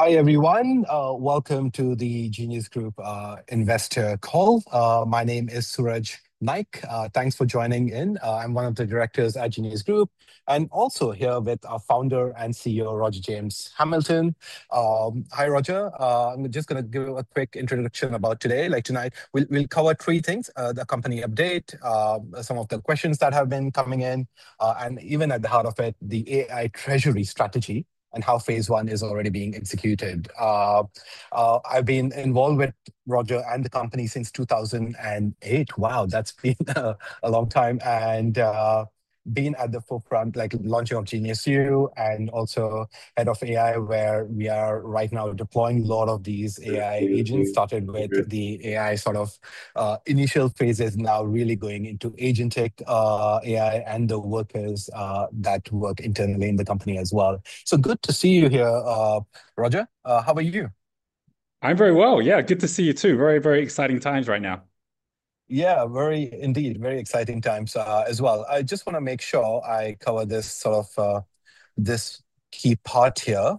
Hi, everyone. Welcome to the Genius Group investor call. My name is Suraj Naik. Thanks for joining in. I'm one of the directors at Genius Group, and also here with our Founder and CEO, Roger James Hamilton. Hi, Roger. I'm just going to give a quick introduction about today. Tonight, we'll cover three things, the company update, some of the questions that have been coming in, and even at the heart of it, the AI treasury strategy and how phase one is already being executed. I've been involved with Roger and the company since 2008. Wow, that's been a long time. Being at the forefront, like the launching of GeniusU, and also head of AI, where we are right now deploying a lot of these AI agents, started with the AI initial phases, now really going into agent tech AI, and the workers that work internally in the company as well. Good to see you here, Roger. How are you? I'm very well. Yeah, good to see you too. Very exciting times right now. Yeah, indeed, very exciting times as well. I just want to make sure I cover this key part here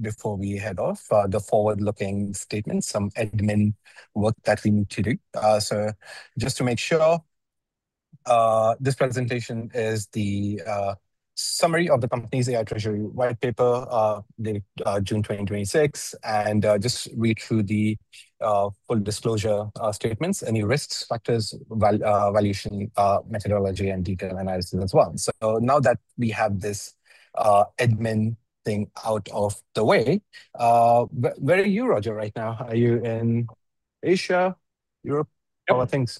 before we head off, the forward-looking statement, some admin work that we need to do. Just to make sure, this presentation is the summary of the company's AI treasury whitepaper, dated June 2026, and just read through the full disclosure statements, any risks, factors, valuation, methodology, and detail analysis as well. Now that we have this admin thing out of the way, where are you, Roger, right now? Are you in Asia, Europe, other things?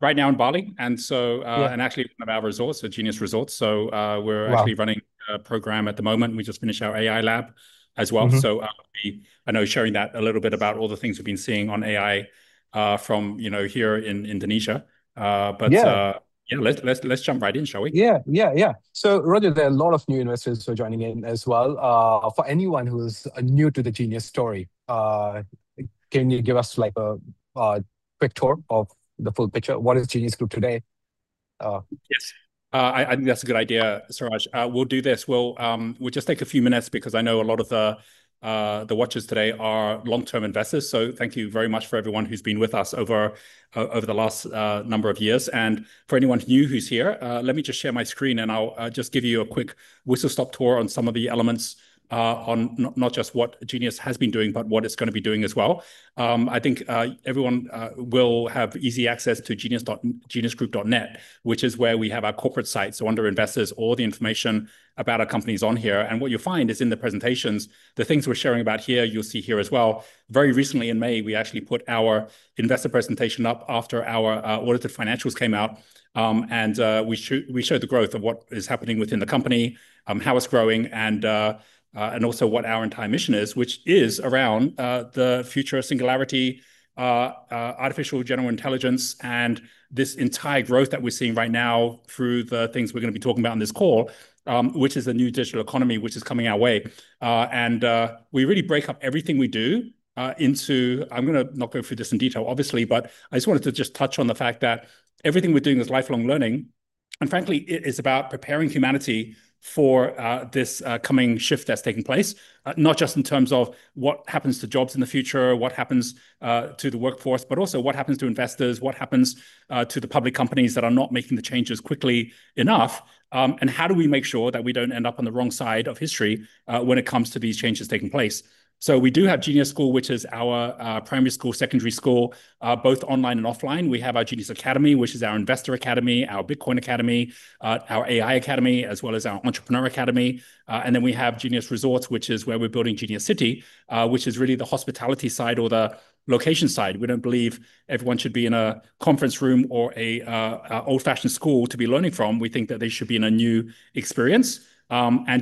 Right now in Bali. Yeah. actually, one of our resorts, so Genius Resorts. Wow. We're actually running a program at the moment. We just finished our AI lab as well. I'll be, I know, sharing that a little bit about all the things we've been seeing on AI from here in Indonesia. Yeah. Yeah, let's jump right in, shall we? Yeah. Roger, there are a lot of new investors who are joining in as well. For anyone who is new to the Genius story, can you give us a quick tour of the full picture? What is Genius Group today? Yes. I think that's a good idea, Suraj. We'll do this. We'll just take a few minutes because I know a lot of the watchers today are long-term investors, so thank you very much for everyone who's been with us over the last number of years. For anyone new who's here, let me just share my screen and I'll just give you a quick whistle-stop tour on some of the elements on not just what Genius has been doing, but what it's going to be doing as well. I think everyone will have easy access to geniusgroup.net, which is where we have our corporate site. Under Investors, all the information about our company is on here, and what you'll find is in the presentations, the things we're sharing about here, you'll see here as well. Very recently in May, we actually put our investor presentation up after our audited financials came out. We showed the growth of what is happening within the company, how it's growing, and also what our entire mission is, which is around the future of singularity, artificial general intelligence, and this entire growth that we're seeing right now through the things we're going to be talking about on this call, which is the new digital economy, which is coming our way. We really break up everything we do. I'm going to not go through this in detail, obviously, but I just wanted to just touch on the fact that everything we're doing is lifelong learning. Frankly, it is about preparing humanity for this coming shift that's taking place. Not just in terms of what happens to jobs in the future, what happens to the workforce, but also what happens to investors, what happens to the public companies that are not making the changes quickly enough, and how do we make sure that we don't end up on the wrong side of history when it comes to these changes taking place. We do have Genius School, which is our primary school, secondary school, both online and offline. We have our Genius Academy, which is our Investor Academy, our Bitcoin Academy, our AI Academy, as well as our Entrepreneur Academy. We have Genius Resorts, which is where we're building Genius City, which is really the hospitality side or the location side. We don't believe everyone should be in a conference room or an old-fashioned school to be learning from. We think that they should be in a new experience.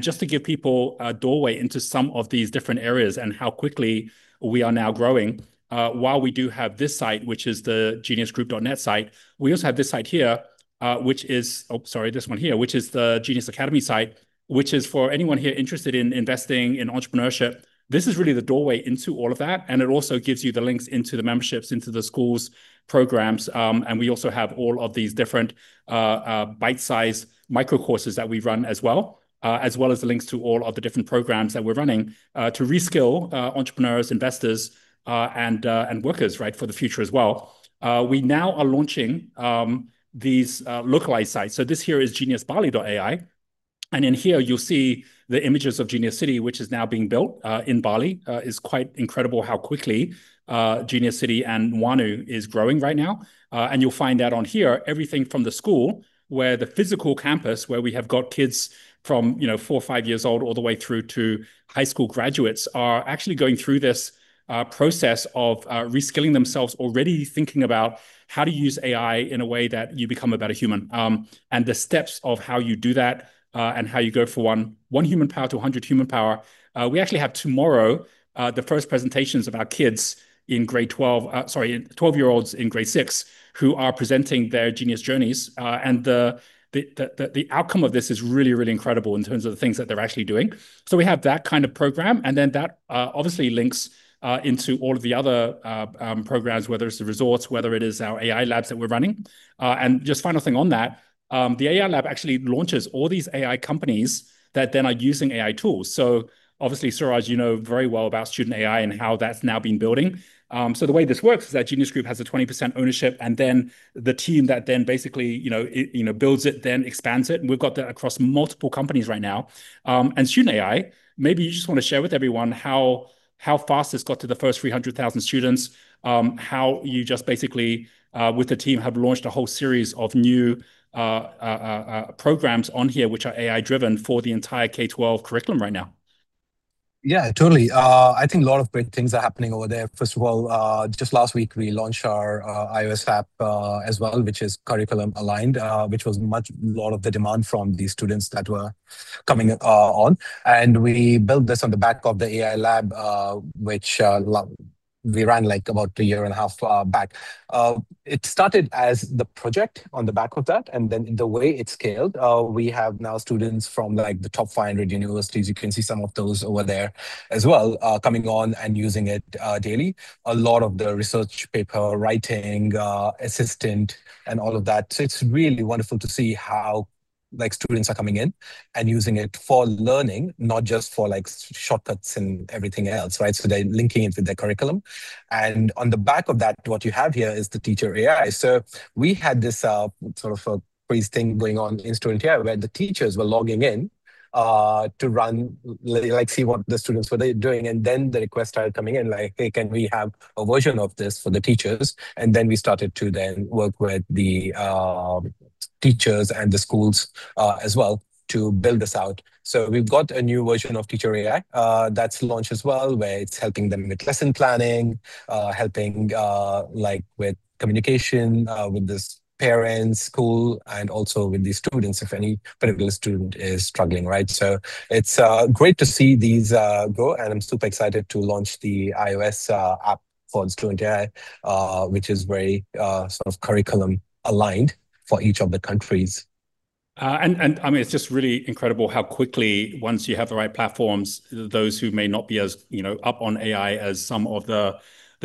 Just to give people a doorway into some of these different areas and how quickly we are now growing, while we do have this site, which is the geniusgroup.net site, we also have this site here, which is the Genius Academy site, which is for anyone here interested in investing in entrepreneurship. This is really the doorway into all of that, and it also gives you the links into the memberships, into the schools, programs. We also have all of these different bite-sized micro courses that we run as well, as well as the links to all of the different programs that we're running to reskill entrepreneurs, investors, and workers for the future as well. We now are launching these localized sites. This here is geniusbali.ai, In here you'll see the images of Genius City, which is now being built in Bali. It's quite incredible how quickly Genius City and Nuanu is growing right now. You'll find that on here, everything from the school, where the physical campus, where we have got kids from four, five years old, all the way through to high school graduates, are actually going through this process of reskilling themselves, already thinking about how to use AI in a way that you become a better human. The steps of how you do that, and how you go from one human power to 100 human power. We actually have tomorrow the first presentations of our kids in grade 12. Sorry, 12-year-olds in grade 6 who are presenting their Genius Journeys. The outcome of this is really incredible in terms of the things that they're actually doing. We have that kind of program, and then that obviously links into all of the other programs, whether it's the resorts, whether it is our AI labs that we're running. Just final thing on that, the AI lab actually launches all these AI companies that then are using AI tools. Obviously, Suraj, you know very well about Student AI and how that's now been building. The way this works is that Genius Group has a 20% ownership, and then the team that then basically builds it, then expands it, and we've got that across multiple companies right now. Student AI, maybe you just want to share with everyone how fast it's got to the first 300,000 students. How you just basically, with the team, have launched a whole series of new programs on here, which are AI-driven for the entire K12 curriculum right now. Yeah, totally. I think a lot of great things are happening over there. First of all, just last week, we launched our iOS app as well, which is curriculum aligned, which was a lot of the demand from the students that were coming on. We built this on the back of the AI lab, which we ran about a year and a half back. It started as the project on the back of that, then the way it scaled, we have now students from the top 500 universities. You can see some of those over there as well, coming on and using it daily. A lot of the research paper writing assistant and all of that. It's really wonderful to see how students are coming in and using it for learning, not just for shortcuts and everything else. They're linking it with their curriculum. On the back of that, what you have here is the Teacher AI. We had this sort of a pre-thing going on in Student AI, where the teachers were logging in to see what the students were doing, the requests started coming in, like, "Hey, can we have a version of this for the teachers?" We started to then work with the teachers and the schools as well to build this out. We've got a new version of Teacher AI that's launched as well, where it's helping them with lesson planning, helping with communication with the parents, school, and also with the students, if any particular student is struggling. It's great to see these grow, and I'm super excited to launch the iOS app for Student AI, which is very curriculum aligned for each of the countries. It's just really incredible how quickly, once you have the right platforms, those who may not be as up on AI as some of the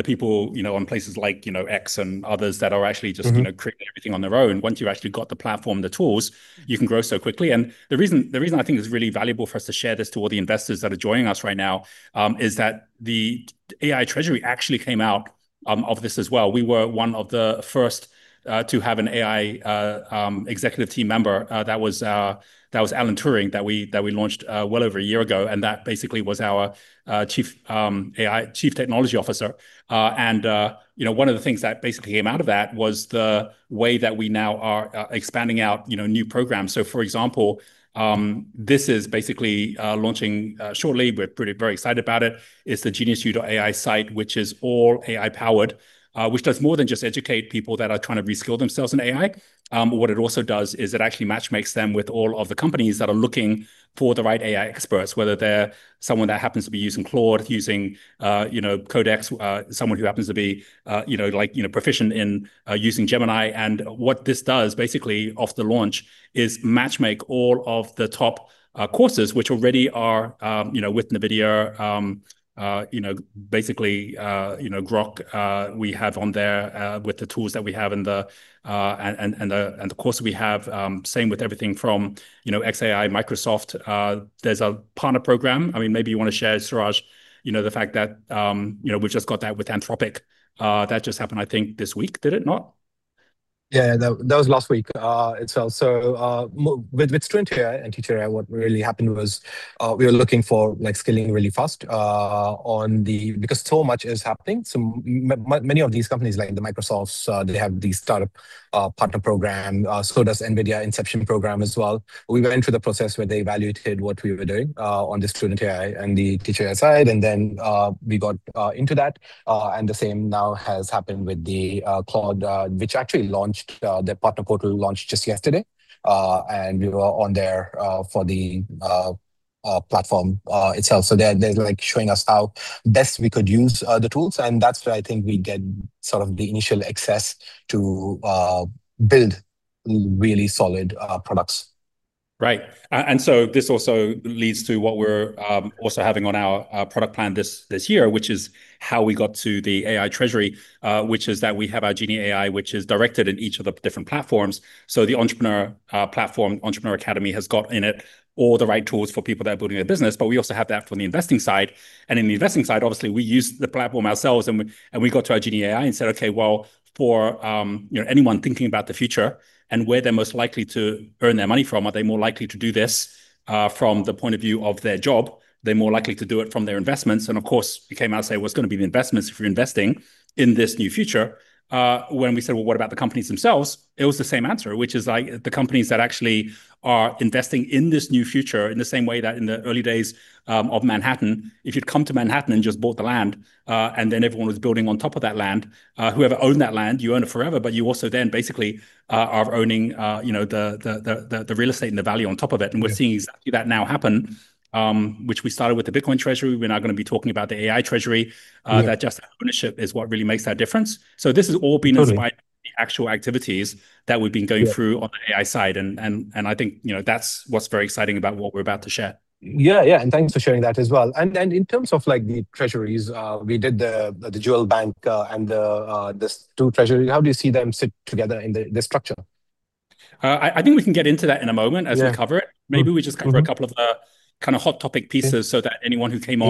people on places like X and others that are actually just creating everything on their own, once you've actually got the platform, the tools, you can grow so quickly. The reason I think it's really valuable for us to share this to all the investors that are joining us right now, is that the AI Treasury actually came out of this as well. We were one of the first to have an AI executive team member. That was Alan Turing, that we launched well over a year ago, and that basically was our Chief Technology Officer. One of the things that basically came out of that was the way that we now are expanding out new programs. For example, this is basically launching shortly. We're very excited about it. It's the geniusu.ai site, which is all AI powered, which does more than just educate people that are trying to reskill themselves in AI. What it also does is it actually match-makes them with all of the companies that are looking for the right AI experts, whether they're someone that happens to be using Claude, using Codex, someone who happens to be proficient in using Gemini. What this does, basically off the launch, is match-make all of the top courses, which already are with NVIDIA, basically Groq we have on there, with the tools that we have and the course we have. Same with everything from xAI, Microsoft. There's a partner program. Maybe you want to share, Suraj, the fact that we've just got that with Anthropic. That just happened, I think, this week. Did it not? Yeah, that was last week itself. With Student AI and Teacher AI, what really happened was we were looking for scaling really fast, because so much is happening. Many of these companies, like the Microsofts, they have these startup partner program. Does NVIDIA Inception program as well. We went through the process where they evaluated what we were doing on the Student AI and the Teacher AI side, then we got into that. The same now has happened with the Claude, which actually launched, their partner portal launched just yesterday. We were on there for the platform itself. They're showing us how best we could use the tools, and that's where I think we get sort of the initial access to build really solid products. Right. This also leads to what we're also having on our product plan this year, which is how we got to the AI Treasury, which is that we have our Genie AI, which is directed in each of the different platforms. The entrepreneur platform, Entrepreneur Academy, has got in it all the right tools for people that are building their business. We also have that from the investing side. In the investing side, obviously, we use the platform ourselves, and we got to our Genie AI and said, "Okay, well, for anyone thinking about the future and where they're most likely to earn their money from, are they more likely to do this from the point of view of their job? Are they more likely to do it from their investments?" Of course, it came out and said, "What's going to be the investments if you're investing in this new future?" When we said, "Well, what about the companies themselves?" It was the same answer, which is the companies that actually are investing in this new future, in the same way that in the early days of Manhattan, if you'd come to Manhattan and just bought the land, and then everyone was building on top of that land, whoever owned that land, you own it forever, but you also then basically are owning the real estate and the value on top of it. We're seeing exactly that now happen, which we started with the Bitcoin Treasury. We're now going to be talking about the AI Treasury. Yeah. That just ownership is what really makes that difference. Totally inspired by the actual activities that we've been going through. Yeah on the AI side, and I think that's what's very exciting about what we're about to share. Yeah. Thanks for sharing that as well. In terms of the treasuries, we did the Jewel Bank and these two treasuries, how do you see them sit together in the structure? I think we can get into that in a moment as we cover it. Yeah. Maybe we just cover a couple of the kind of hot topic pieces so that anyone who came.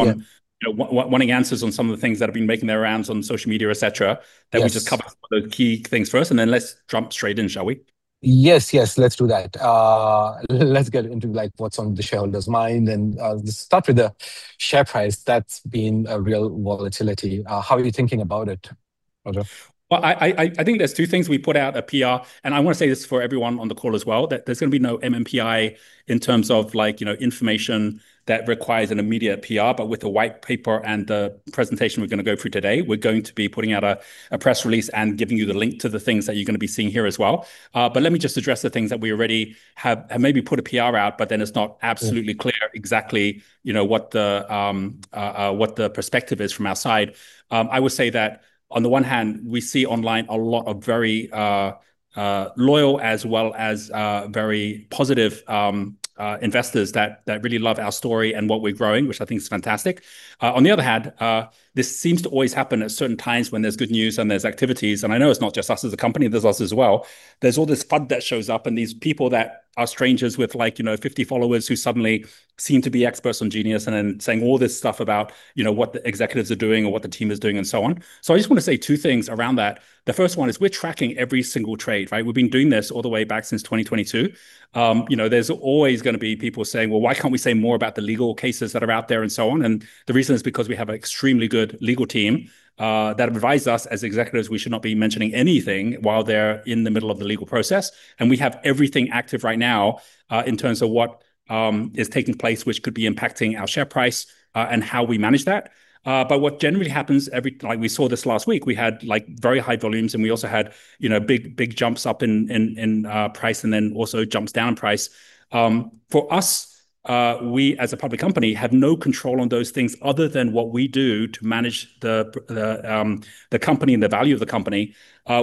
Yeah wanting answers on some of the things that have been making their rounds on social media, et cetera. Yes We just cover some of the key things first, and then let's jump straight in, shall we? Yes. Let's do that. Let's get into what's on the shareholders' mind, and let's start with the share price. That's been a real volatility. How are you thinking about it? Well, I think there's two things. We put out a PR, and I want to say this for everyone on the call as well, that there's going to be no MNPI in terms of information that requires an immediate PR. With the white paper and the presentation we're going to go through today, we're going to be putting out a press release and giving you the link to the things that you're going to be seeing here as well. Let me just address the things that we already have maybe put a PR out, but then it's not absolutely clear exactly what the perspective is from outside. I would say that on the one hand, we see online a lot of very loyal as well as very positive investors that really love our story and what we're growing, which I think is fantastic. On the other hand, this seems to always happen at certain times when there's good news and there's activities, and I know it's not just us as a company, there's us as well. There's all this FUD that shows up and these people that are strangers with 50 followers who suddenly seem to be experts on Genius, and then saying all this stuff about what the executives are doing or what the team is doing and so on. I just want to say two things around that. The first one is we're tracking every single trade, right? We've been doing this all the way back since 2022. There's always going to be people saying, "Well, why can't we say more about the legal cases that are out there?" and so on. The reason is because we have an extremely good legal team that advises us as executives, we should not be mentioning anything while they're in the middle of the legal process. We have everything active right now, in terms of what is taking place, which could be impacting our share price, and how we manage that. What generally happens. Like we saw this last week, we had very high volumes, and we also had big jumps up in price, and then also jumps down price. For us, we as a public company, have no control on those things other than what we do to manage the company and the value of the company.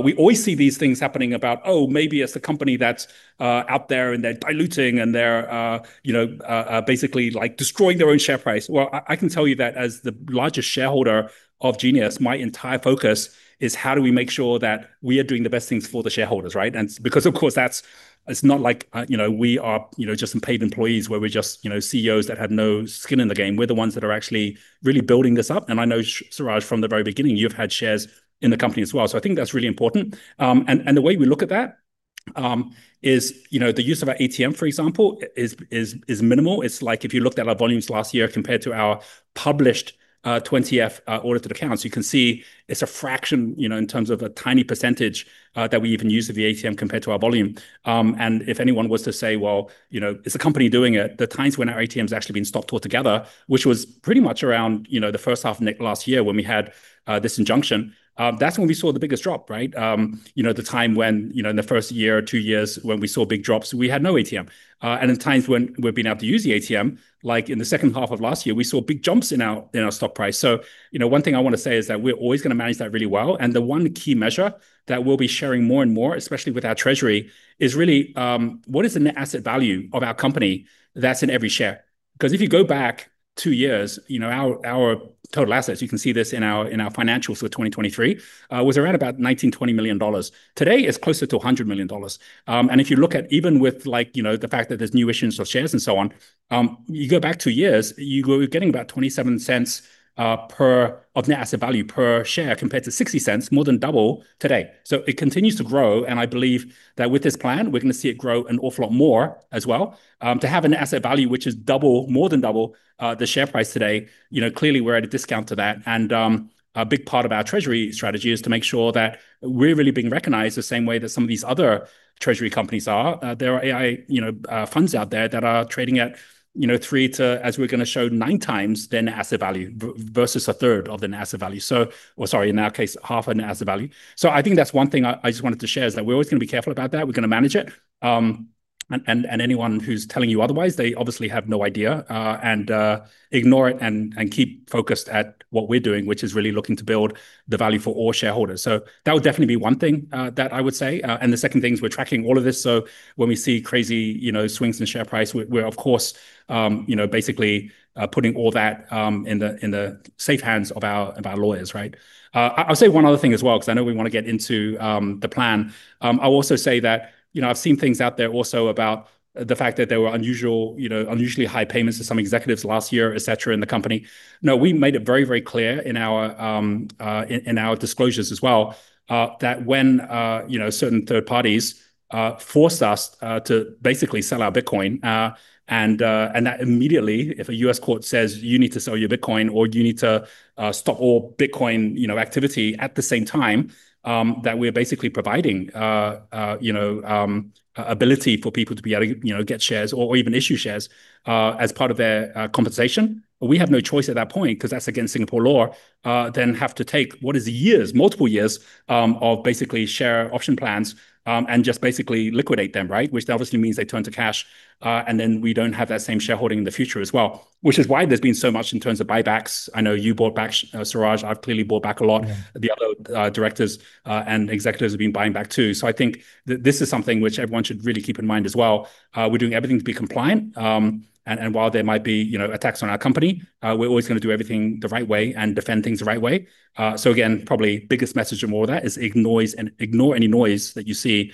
We always see these things happening about, oh, maybe it's the company that's out there and they're diluting and they're basically destroying their own share price. Well, I can tell you that as the largest shareholder of Genius, my entire focus is how do we make sure that we are doing the best things for the shareholders, right? Because, of course, it's not like we are just some paid employees where we're just CEOs that have no skin in the game. We're the ones that are actually really building this up. I know, Suraj, from the very beginning, you've had shares in the company as well. I think that's really important. The way we look at that is the use of our ATM, for example, is minimal. It's like if you looked at our volumes last year compared to our published 20-F audited accounts, you can see it's a fraction in terms of a tiny percentage that we even use of the ATM compared to our volume. If anyone was to say, "Well, is the company doing it?" The times when our ATMs actually been stopped altogether, which was pretty much around the first half last year when we had this injunction. That's when we saw the biggest drop, right? The time when in the first year or two years when we saw big drops, we had no ATM. In times when we've been able to use the ATM, like in the second half of last year, we saw big jumps in our stock price. One thing I want to say is that we're always going to manage that really well. The one key measure that we'll be sharing more and more, especially with our treasury, is really what is the net asset value of our company that's in every share? If you go back two years, our total assets, you can see this in our financials for 2023, was around about $19 million-$20 million. Today, it's closer to $100 million. If you look at even with the fact that there's new issues of shares and so on, you go back two years, you were getting about $0.27 of net asset value per share compared to $0.60, more than double today. It continues to grow, and I believe that with this plan, we're going to see it grow an awful lot more as well. To have an asset value which is double, more than double, the share price today, clearly we're at a discount to that. A big part of our treasury strategy is to make sure that we're really being recognized the same way that some of these other treasury companies are. There are AI funds out there that are trading at three to, as we're going to show, 9x their asset value versus a third of their asset value. Or sorry, in our case, half an asset value. I think that's one thing I just wanted to share is that we're always going to be careful about that. We're going to manage it. Anyone who's telling you otherwise, they obviously have no idea. Ignore it and keep focused at what we're doing, which is really looking to build the value for all shareholders. That would definitely be one thing that I would say. The second thing is we're tracking all of this, so when we see crazy swings in share price, we're of course basically putting all that in the safe hands of our lawyers, right? I'll say one other thing as well because I know we want to get into the plan. I'll also say that I've seen things out there also about the fact that there were unusually high payments to some executives last year, et cetera, in the company. No, we made it very, very clear in our disclosures as well that when certain third parties forced us to basically sell our Bitcoin, and that immediately, if a U.S. court says you need to sell your Bitcoin or you need to stop all Bitcoin activity at the same time that we're basically providing ability for people to be able to get shares or even issue shares as part of their compensation. We have no choice at that point because that's against Singapore law, than have to take what is years, multiple years, of basically share option plans, and just basically liquidate them, right? Which obviously means they turn to cash, and then we don't have that same shareholding in the future as well. Which is why there's been so much in terms of buybacks. I know you bought back, Suraj. I've clearly bought back a lot. Yeah. The other directors and executives have been buying back too. I think this is something which everyone should really keep in mind as well. We're doing everything to be compliant. While there might be attacks on our company, we're always going to do everything the right way and defend things the right way. Again, probably biggest message from all of that is ignore any noise that you see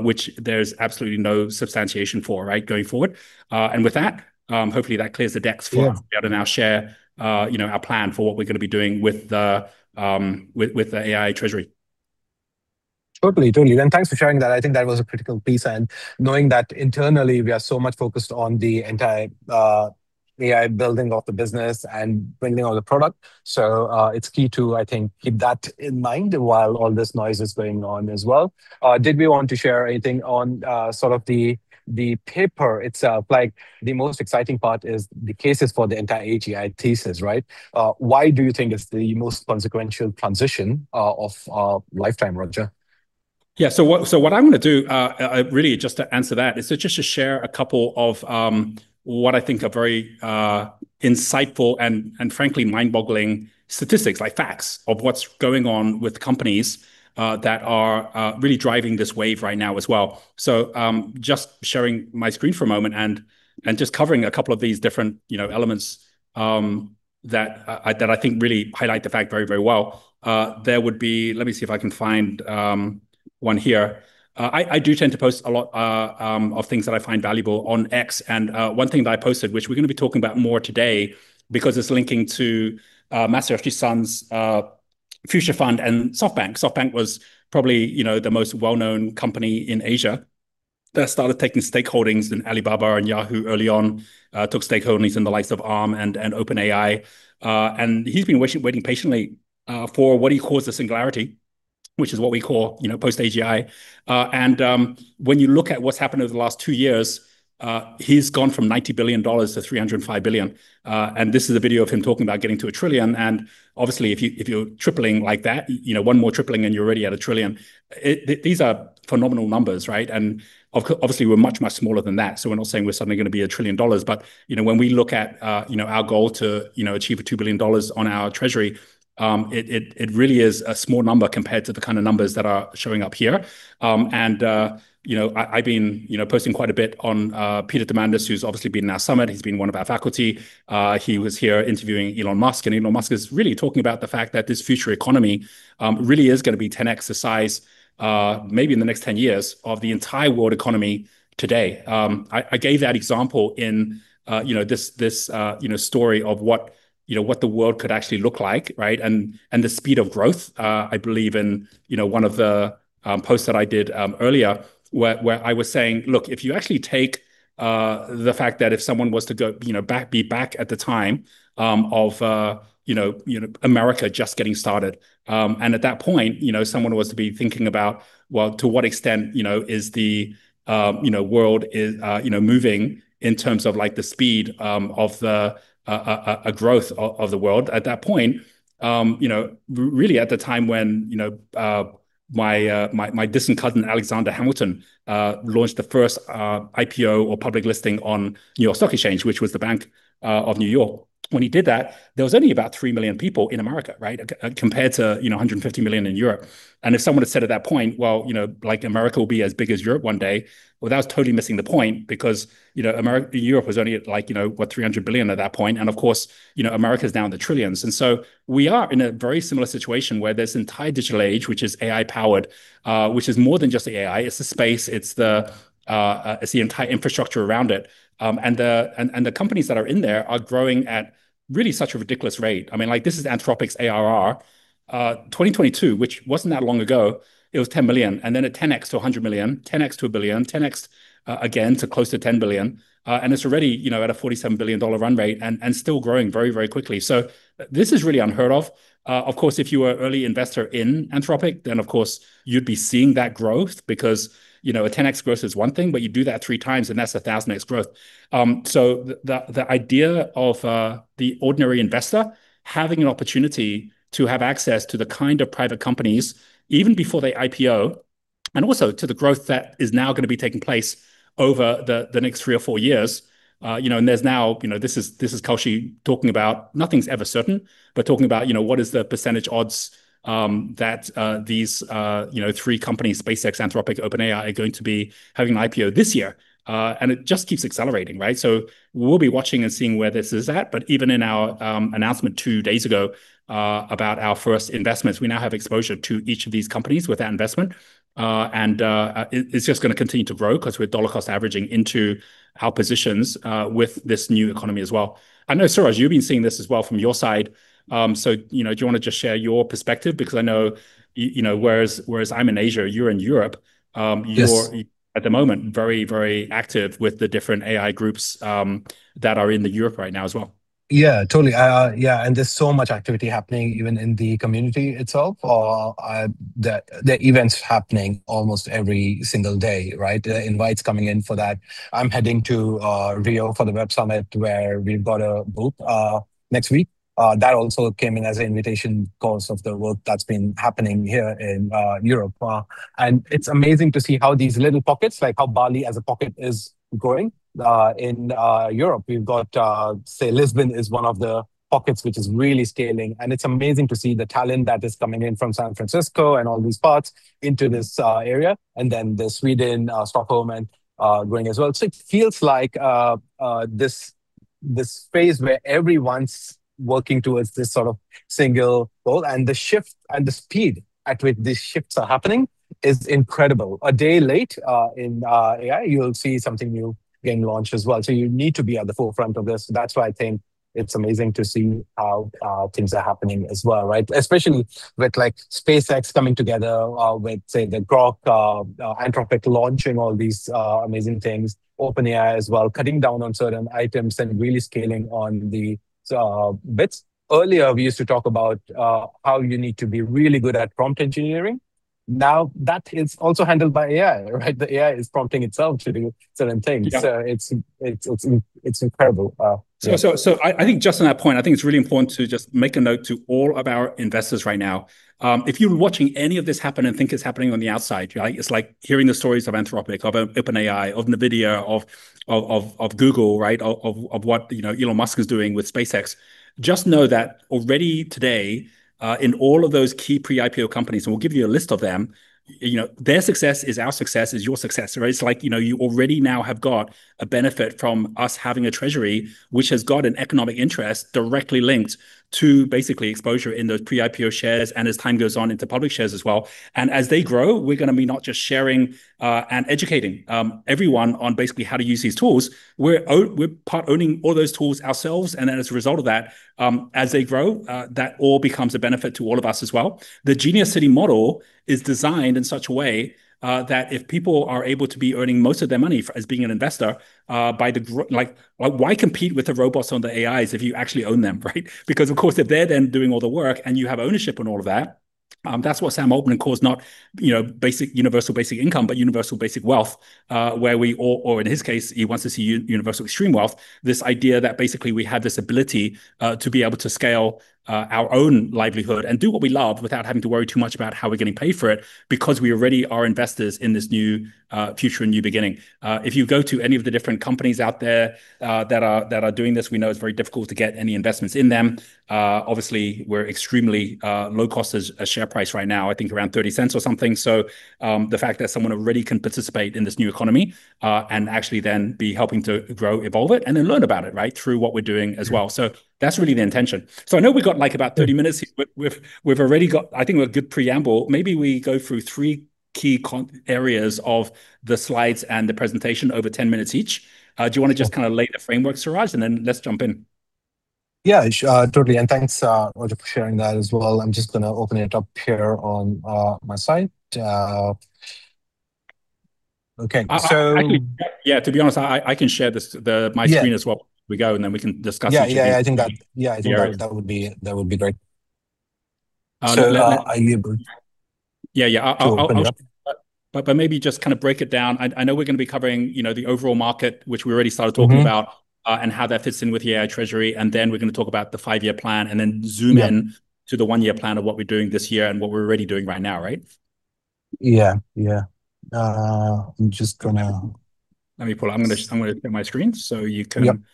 which there's absolutely no substantiation for going forward. With that, hopefully, that clears the decks for us. Yeah to be able to now share our plan for what we're going to be doing with the AI treasury. Totally. Thanks for sharing that. I think that was a critical piece, and knowing that internally we are so much focused on the entire AI building of the business and bringing all the product. It's key to, I think, keep that in mind while all this noise is going on as well. Did we want to share anything on sort of the paper itself? Like, the most exciting part is the cases for the entire AGI thesis, right? Why do you think it's the most consequential transition of our lifetime, Roger? What I'm going to do, really just to answer that is just to share a couple of what I think are very insightful and frankly mind-boggling statistics, like facts of what's going on with companies that are really driving this wave right now as well. Just sharing my screen for a moment and just covering a couple of these different elements that I think really highlight the fact very well. Let me see if I can find one here. I do tend to post a lot of things that I find valuable on X. One thing that I posted, which we're going to be talking about more today because it's linking to Masayoshi Son's Future Fund and SoftBank. SoftBank was probably the most well-known company in Asia that started taking stakeholdings in Alibaba and Yahoo early on, took stakeholdings in the likes of Arm and OpenAI. He's been waiting patiently for what he calls the singularity, which is what we call post-AGI. When you look at what's happened over the last two years, he's gone from $90 billio-$305 billion. This is a video of him talking about getting to $1 trillion. Obviously if you're tripling like that, one more tripling and you're already at $1 trillion. These are phenomenal numbers, right? Obviously we're much smaller than that. We're not saying we're suddenly going to be $1 trillion, but when we look at our goal to achieve $2 billion on our treasury, it really is a small number compared to the kind of numbers that are showing up here. I've been posting quite a bit on Peter Diamandis, who's obviously been in our summit. He's been one of our faculty. He was here interviewing Elon Musk, and Elon Musk is really talking about the fact that this future economy really is going to be 10x the size, maybe in the next 10 years, of the entire world economy today. I gave that example in this story of what the world could actually look like, right? The speed of growth, I believe in one of the posts that I did earlier where I was saying, look, if you actually take the fact that if someone was to go be back at the time of America just getting started. At that point, someone was to be thinking about, well, to what extent is the world moving in terms of the speed of the growth of the world. At that point, really at the time when my distant cousin, Alexander Hamilton, launched the first IPO or public listing on New York Stock Exchange, which was the Bank of New York. When he did that, there was only about 3 million people in America, right? Compared to 150 million in Europe. If someone had said at that point, well America will be as big as Europe one day, well, that was totally missing the point because Europe was only at, what, $300 billion at that point. Of course, America's now in the trillions. We are in a very similar situation where this entire digital age, which is AI-powered, which is more than just the AI, it's the space, it's the entire infrastructure around it. The companies that are in there are growing at really such a ridiculous rate. This is Anthropic's ARR. 2022, which wasn't that long ago, it was $10 million, then at 10x to $100 million, 10x to $1 billion, 10x again to close to $10 billion. It's already at a $47 billion run rate and still growing very quickly. This is really unheard of. Of course, if you were early investor in Anthropic, of course you'd be seeing that growth because a 10x growth is one thing, you do that three times and that's a 1,000x growth. The idea of the ordinary investor having an opportunity to have access to the kind of private companies, even before they IPO, and also to the growth that is now going to be taking place over the next three or four years. This is Kaushi talking about nothing's ever certain, but talking about what is the percentage odds that these three companies, SpaceX, Anthropic, OpenAI, are going to be having an IPO this year. It just keeps accelerating, right? We'll be watching and seeing where this is at. Even in our announcement two days ago about our first investments, we now have exposure to each of these companies with our investment. It's just going to continue to grow because we're dollar cost averaging into our positions with this new economy as well. I know Suraj, you've been seeing this as well from your side, do you want to just share your perspective? I know whereas I'm in Asia, you're in Europe. Yes. You're at the moment very active with the different AI groups that are in the Europe right now as well. Yeah, totally. There's so much activity happening even in the community itself. There are events happening almost every single day, right? The invites coming in for that. I'm heading to Rio for the Web Summit where we've got a booth next week. That also came in as an invitation because of the work that's been happening here in Europe. It's amazing to see how these little pockets, like how Bali as a pocket is growing. In Europe, we've got, say, Lisbon is one of the pockets which is really scaling. It's amazing to see the talent that is coming in from San Francisco and all these parts into this area. The Sweden, Stockholm, and growing as well. It feels like the space where everyone's working towards this sort of single goal, and the shift and the speed at which these shifts are happening is incredible. A day late in AI, you'll see something new being launched as well, you need to be at the forefront of this. That's why I think it's amazing to see how things are happening as well, right? Especially with SpaceX coming together, with, say, the Groq, Anthropic launching all these amazing things, OpenAI as well, cutting down on certain items and really scaling on the bits. Earlier, we used to talk about how you need to be really good at prompt engineering. Now that is also handled by AI, right? The AI is prompting itself to do certain things. Yep. It's incredible. I think just on that point, I think it's really important to just make a note to all of our investors right now. If you're watching any of this happen and think it's happening on the outside, it's like hearing the stories of Anthropic, of OpenAI, of NVIDIA, of Google, right, of what Elon Musk is doing with SpaceX. Just know that already today, in all of those key pre-IPO companies, and we'll give you a list of them, their success is our success is your success. It's like you already now have got a benefit from us having a treasury which has got an economic interest directly linked to basically exposure in those pre-IPO shares and as time goes on into public shares as well. As they grow, we're going to be not just sharing and educating everyone on basically how to use these tools. We're part-owning all those tools ourselves and then as a result of that, as they grow, that all becomes a benefit to all of us as well. The Genius City model is designed in such a way that if people are able to be earning most of their money as being an investor by the growth. Why compete with the robots or the AIs if you actually own them, right? Of course, if they're then doing all the work and you have ownership on all of that's what Sam Altman calls not universal basic income, but universal basic wealth, or in his case, he wants to see universal extreme wealth. This idea that basically we have this ability to be able to scale our own livelihood and do what we love without having to worry too much about how we're getting paid for it because we already are investors in this new future and new beginning. If you go to any of the different companies out there that are doing this, we know it's very difficult to get any investments in them. Obviously, we're extremely low cost as a share price right now, I think around $0.30 or something. The fact that someone already can participate in this new economy, and actually then be helping to grow, evolve it, and then learn about it through what we're doing as well. That's really the intention. I know we've got about 30 minutes here, but we've already got I think a good preamble. Maybe we go through three key areas of the slides and the presentation over 10 minutes each. Do you want to just lay the framework, Suraj, and then let's jump in. Yeah, sure, totally. Thanks, Roger, for sharing that as well. I'm just going to open it up here on my side. Okay. Yeah, to be honest, I can share my screen as well. We go, and then we can discuss it together. Yeah, I think that would be great. Are you good? Yeah. To open it up. Maybe just break it down. I know we're going to be covering the overall market, which we already started talking about, and how that fits in with the AI treasury, and then we're going to talk about the five-year plan, and then zoom in to the one-year plan of what we're doing this year and what we're already doing right now, right? Yeah. I'm just going to Let me pull. I'm going to share my screen so you can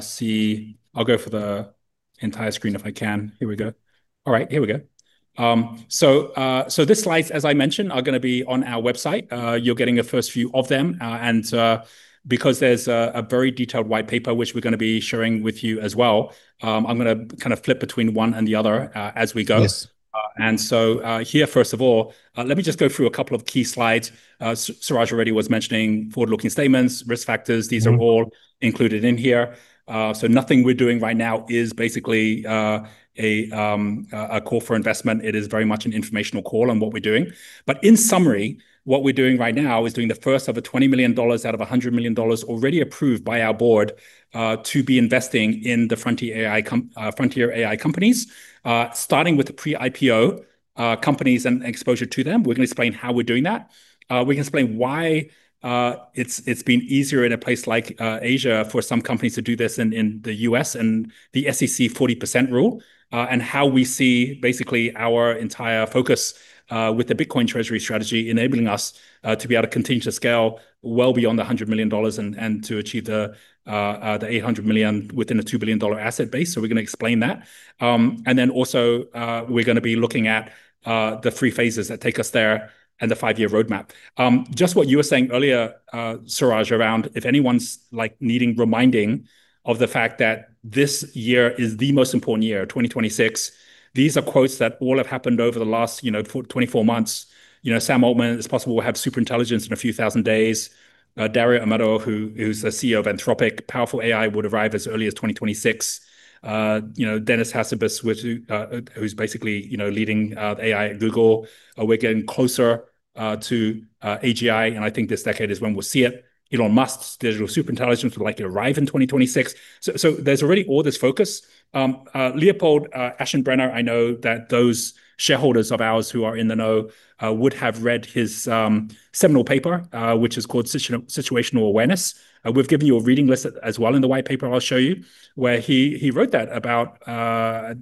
see. I'll go for the entire screen if I can. Here we go. All right. Here we go. These slides, as I mentioned, are going to be on our website. You're getting a first view of them, and because there's a very detailed white paper which we're going to be sharing with you as well, I'm going to flip between one and the other as we go. Yes. Here, first of all, let me just go through a couple of key slides. Suraj already was mentioning forward-looking statements, risk factors. These are all included in here. Nothing we're doing right now is basically a call for investment. It is very much an informational call on what we're doing. In summary, what we're doing right now is doing the first of a $20 million out of $100 million already approved by our board to be investing in the frontier AI companies, starting with the pre-IPO companies and exposure to them. We're going to explain how we're doing that. We can explain why it's been easier in a place like Asia for some companies to do this in the U.S. and the SEC 40% rule, and how we see basically our entire focus with the Bitcoin treasury strategy enabling us to be able to continue to scale well beyond the $100 million and to achieve the $800 million within a $2 billion asset base. We're going to explain that. Also, we're going to be looking at the three phases that take us there and the five-year roadmap. Just what you were saying earlier, Suraj, around if anyone's needing reminding of the fact that this year is the most important year, 2026. These are quotes that all have happened over the last 24 months. Sam Altman, "It's possible we'll have superintelligence in a few thousand days." Dario Amodei, who's a CEO of Anthropic, "Powerful AI would arrive as early as 2026." Demis Hassabis who's basically leading AI at Google, "We're getting closer to AGI, and I think this decade is when we'll see it." Elon Musk's, "Digital superintelligence will likely arrive in 2026." There's already all this focus. Leopold Aschenbrenner, I know that those shareholders of ours who are in the know would have read his seminal paper, which is called Situational Awareness. We've given you a reading list as well in the white paper I'll show you, where he wrote that about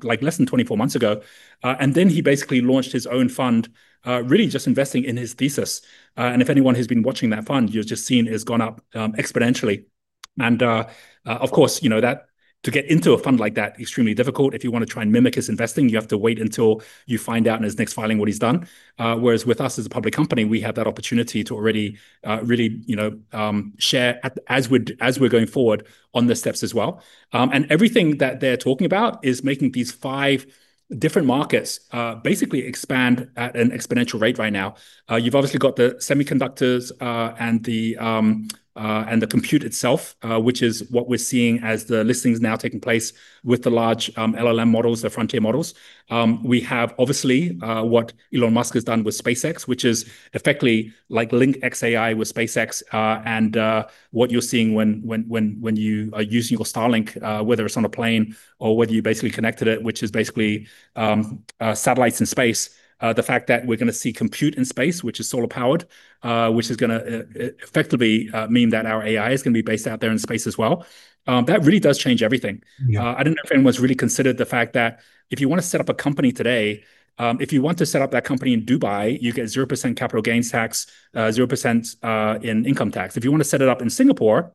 less than 24 months ago. He basically launched his own fund, really just investing in his thesis. If anyone has been watching that fund, you've just seen it has gone up exponentially. To get into a fund like that, extremely difficult. If you want to try and mimic his investing, you have to wait until you find out in his next filing what he's done. With us as a public company, we have that opportunity to already really share as we're going forward on the steps as well. Everything that they're talking about is making these five different markets basically expand at an exponential rate right now. You've obviously got the semiconductors, and the compute itself, which is what we're seeing as the listings now taking place with the large LLM models, the frontier models. We have obviously what Elon Musk has done with SpaceX, which is effectively link xAI with SpaceX, and what you're seeing when you are using your Starlink, whether it's on a plane or whether you basically connected it, which is basically satellites in space. The fact that we're going to see compute in space, which is solar powered, which is going to effectively mean that our AI is going to be based out there in space as well. That really does change everything. Yeah. I don't know if anyone's really considered the fact that if you want to set up a company today, if you want to set up that company in Dubai, you get 0% capital gains tax, 0% in income tax. If you want to set it up in Singapore,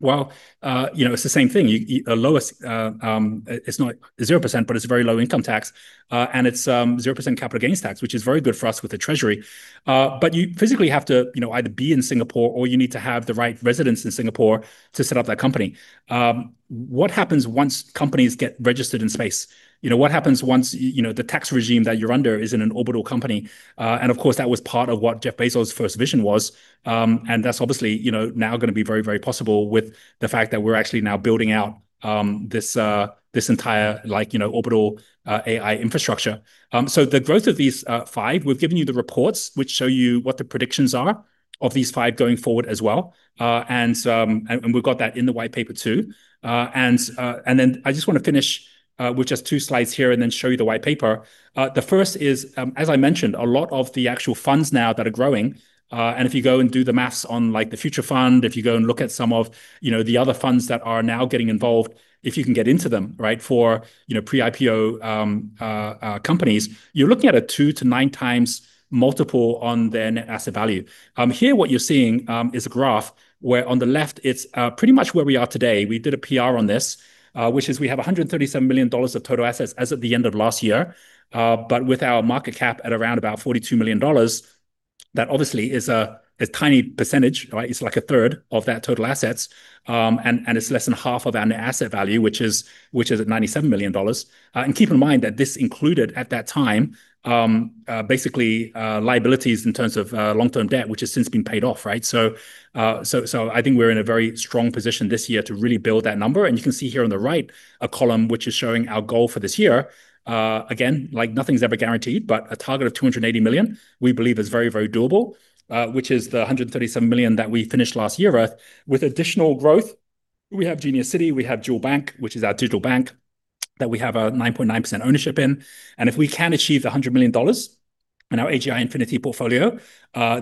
well, it's the same thing. It's not 0%, but it's very low income tax, and it's 0% capital gains tax, which is very good for us with the treasury. You physically have to either be in Singapore or you need to have the right residence in Singapore to set up that company. What happens once companies get registered in space? What happens once the tax regime that you're under is in an orbital company? Of course, that was part of what Jeff Bezos' first vision was, and that's obviously now going to be very possible with the fact that we're actually now building out this entire orbital AI infrastructure. The growth of these five, we've given you the reports which show you what the predictions are of these five going forward as well. We've got that in the white paper too. I just want to finish with just two slides here and then show you the white paper. The first is, as I mentioned, a lot of the actual funds now that are growing, if you go and do the math on the Future Fund, if you go and look at some of the other funds that are now getting involved, if you can get into them, right, for pre-IPO companies, you're looking at a 2x-9x multiple on their net asset value. Here, what you're seeing is a graph where on the left it's pretty much where we are today. We did a PR on this, which is we have $137 million of total assets as of the end of last year. With our market cap at around about $42 million, that obviously is a tiny percentage, right? It's like a third of that total assets, and it's less than half of our net asset value, which is at $97 million. Keep in mind that this included, at that time, basically liabilities in terms of long-term debt, which has since been paid off, right? I think we're in a very strong position this year to really build that number. You can see here on the right a column which is showing our goal for this year. Again, nothing's ever guaranteed, a target of $280 million we believe is very doable, which is the $137 million that we finished last year with additional growth. We have Genius City, we have Jewel Bank, which is our digital bank that we have a 9.9% ownership in. If we can achieve the $100 million in our AGI Infinity Portfolio,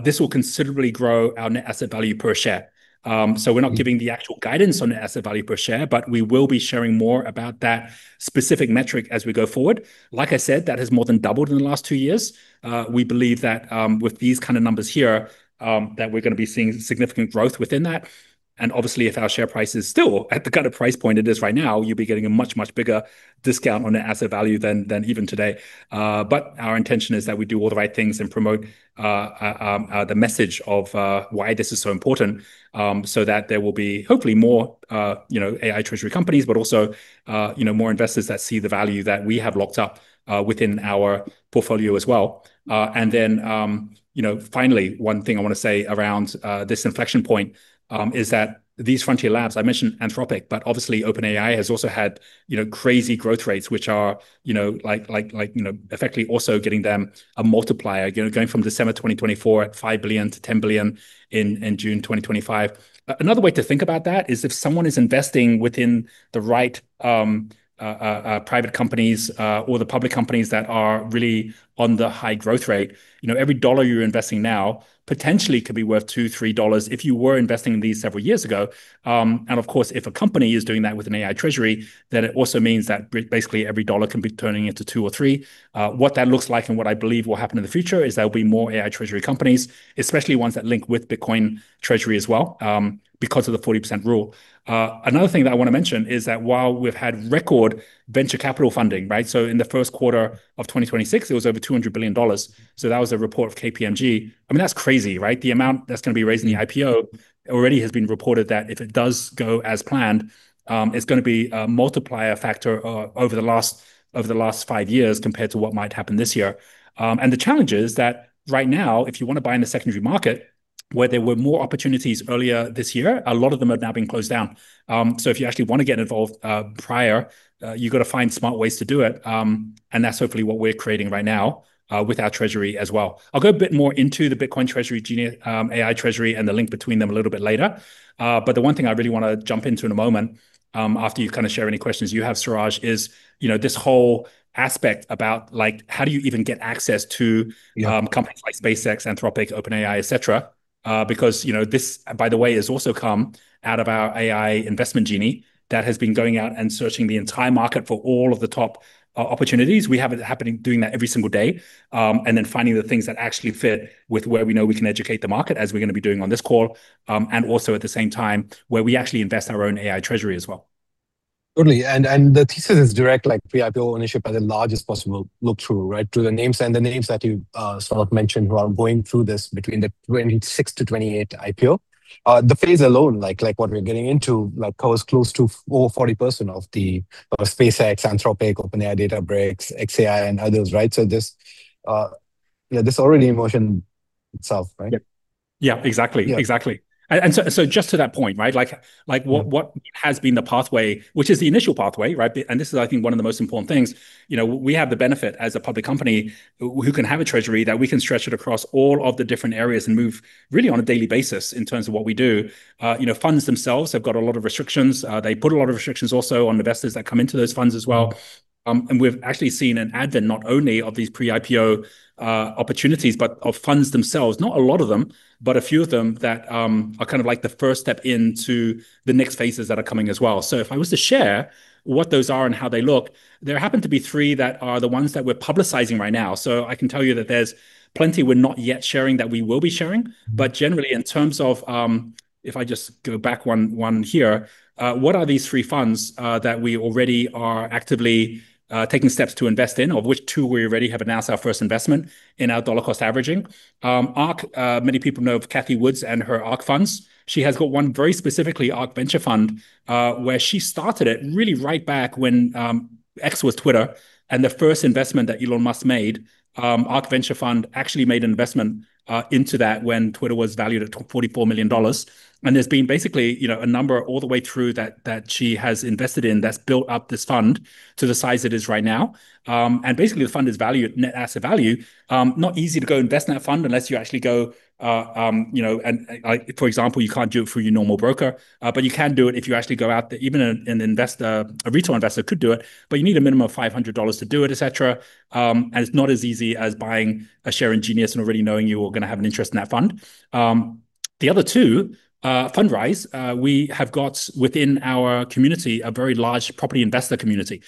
this will considerably grow our net asset value per share. We're not giving the actual guidance on net asset value per share, but we will be sharing more about that specific metric as we go forward. Like I said, that has more than doubled in the last two years. We believe that with these kind of numbers here, that we're going to be seeing significant growth within that. Obviously, if our share price is still at the kind of price point it is right now, you'll be getting a much bigger discount on the asset value than even today. Our intention is that we do all the right things and promote the message of why this is so important, so that there will be hopefully more AI treasury companies, but also more investors that see the value that we have locked up within our portfolio as well. Finally, one thing I want to say around this inflection point is that these frontier labs, I mentioned Anthropic, but obviously OpenAI has also had crazy growth rates, which are effectively also getting them a multiplier, going from December 2024 at $5 billion-$10 billion in June 2025. Another way to think about that is if someone is investing within the right private companies or the public companies that are really on the high growth rate, every dollar you're investing now potentially could be worth $2-$3 if you were investing in these several years ago. Of course, if a company is doing that with an AI treasury, then it also means that basically every dollar can be turning into two or three. What that looks like and what I believe will happen in the future is there'll be more AI treasury companies, especially ones that link with Bitcoin Treasury as well, because of the 40% rule. Another thing that I want to mention is that while we've had record venture capital funding, right, in the first quarter of 2026, it was over $200 billion. That was a report of KPMG. I mean, that's crazy, right? The amount that's going to be raised in the IPO already has been reported that if it does go as planned, it's going to be a multiplier factor over the last five years compared to what might happen this year. The challenge is that right now, if you want to buy in the secondary market where there were more opportunities earlier this year, a lot of them have now been closed down. If you actually want to get involved prior, you've got to find smart ways to do it, and that's hopefully what we're creating right now, with our treasury as well. I'll go a bit more into the Bitcoin Treasury, Genius AI Treasury, and the link between them a little bit later. The one thing I really want to jump into in a moment, after you've kind of share any questions you have, Suraj, is this whole aspect about how do you even get access to companies like SpaceX, Anthropic, OpenAI, et cetera. This, by the way, has also come out of our AI Investment Genie that has been going out and searching the entire market for all of the top opportunities. We have it doing that every single day, then finding the things that actually fit with where we know we can educate the market as we're going to be doing on this call. Also at the same time, where we actually invest our own AI treasury as well. Totally. The thesis is direct, like pre-IPO ownership as the largest possible look-through, right, through the names. The names that you sort of mentioned who are going through this between the 2026-2028 IPO. The phase alone, what we're getting into, covers close to over 40% of the SpaceX, Anthropic, OpenAI, Databricks, xAI, and others, right? This is already in motion itself, right? Yeah. Exactly. Yeah. Exactly. Just to that point, right, what has been the pathway, which is the initial pathway, right? This is, I think, one of the most important things. We have the benefit as a public company who can have a treasury, that we can stretch it across all of the different areas and move really on a daily basis in terms of what we do. Funds themselves have got a lot of restrictions. They put a lot of restrictions also on investors that come into those funds as well. We've actually seen an advent not only of these pre-IPO opportunities, but of funds themselves, not a lot of them, but a few of them that are kind of like the first step into the next phases that are coming as well. If I was to share what those are and how they look, there happen to be three that are the ones that we're publicizing right now. I can tell you that there's plenty we're not yet sharing that we will be sharing. Generally, in terms of, if I just go back one here, what are these three funds that we already are actively taking steps to invest in, of which two we already have announced our first investment in our dollar cost averaging. ARK, many people know of Cathie Wood and her ARK funds. She has got one very specifically, ARK Venture Fund, where she started it really right back when X was Twitter. The first investment that Elon Musk made, ARK Venture Fund actually made an investment into that when Twitter was valued at $44 million. There's been basically a number all the way through that she has invested in that's built up this fund to the size it is right now. Basically, the fund is valued net asset value. Not easy to go invest in that fund unless you actually go. For example, you can't do it through your normal broker. You can do it if you actually go out there, even a retail investor could do it, but you need a minimum of $500 to do it, et cetera. It's not as easy as buying a share in Genius and already knowing you're going to have an interest in that fund. The other two, Fundrise, we have got within our community a very large property investor community.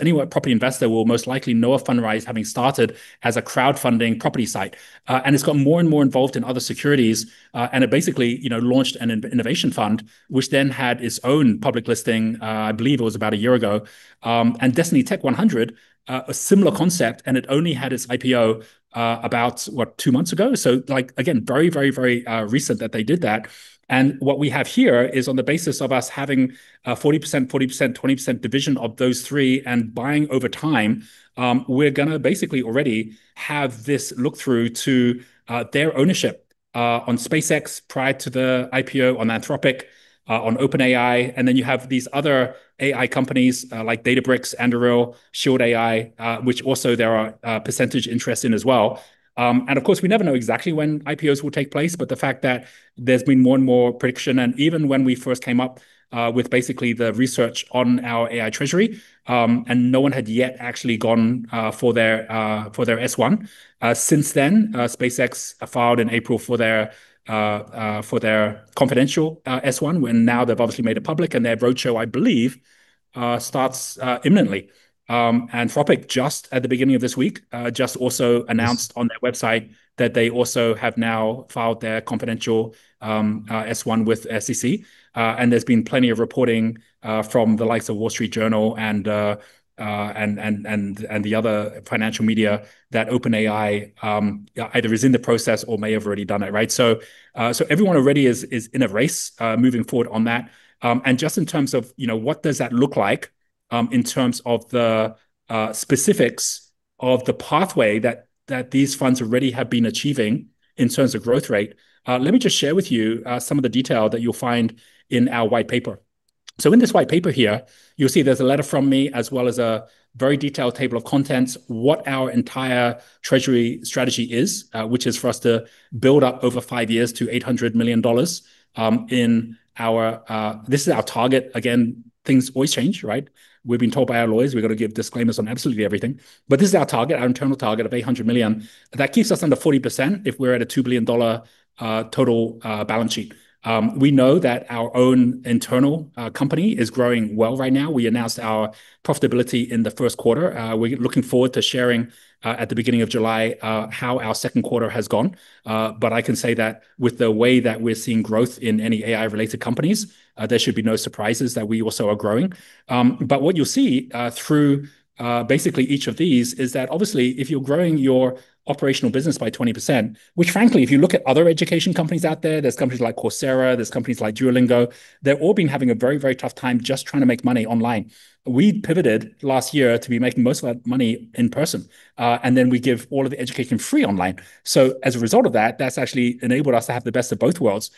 Any property investor will most likely know of Fundrise having started as a crowdfunding property site. It's got more and more involved in other securities. It basically launched an innovation fund, which then had its own public listing, I believe it was about a year ago. Destiny Tech100, a similar concept, and it only had its IPO about, what, two months ago? Again, very recent that they did that. What we have here is on the basis of us having a 40%, 40%, 20% division of those three and buying over time, we're going to basically already have this look-through to their ownership on SpaceX prior to the IPO on Anthropic, on OpenAI, and then you have these other AI companies like Databricks, Anduril, Shield AI, which also there are percentage interest in as well. Of course, we never know exactly when IPOs will take place, but the fact that there's been more and more prediction, even when we first came up with basically the research on our AI Treasury, no one had yet actually gone for their S1. Since then, SpaceX filed in April for their confidential S-1, when now they've obviously made it public, and their roadshow, I believe, starts imminently. Anthropic just at the beginning of this week, just also announced on their website that they also have now filed their confidential S-1 with SEC. There's been plenty of reporting from the likes of The Wall Street Journal and the other financial media that OpenAI either is in the process or may have already done it, right? So everyone already is in a race moving forward on that. Just in terms of what does that look like in terms of the specifics of the pathway that these funds already have been achieving in terms of growth rate. Let me just share with you some of the detail that you'll find in our white paper. In this white paper here, you'll see there's a letter from me as well as a very detailed table of contents. What our entire treasury strategy is, which is for us to build up over five years to $800 million. This is our target. Again, things always change, right? We've been told by our lawyers we've got to give disclaimers on absolutely everything. This is our target, our internal target of $800 million. That keeps us under 40% if we're at a $2 billion total balance sheet. We know that our own internal company is growing well right now. We announced our profitability in the first quarter. We're looking forward to sharing at the beginning of July how our second quarter has gone. I can say that with the way that we're seeing growth in any AI-related companies, there should be no surprises that we also are growing. What you'll see through basically each of these is that obviously, if you're growing your operational business by 20%, which frankly, if you look at other education companies out there's companies like Coursera, there's companies like Duolingo, they've all been having a very tough time just trying to make money online. We pivoted last year to be making most of our money in person. We give all of the education free online. As a result of that's actually enabled us to have the best of both worlds.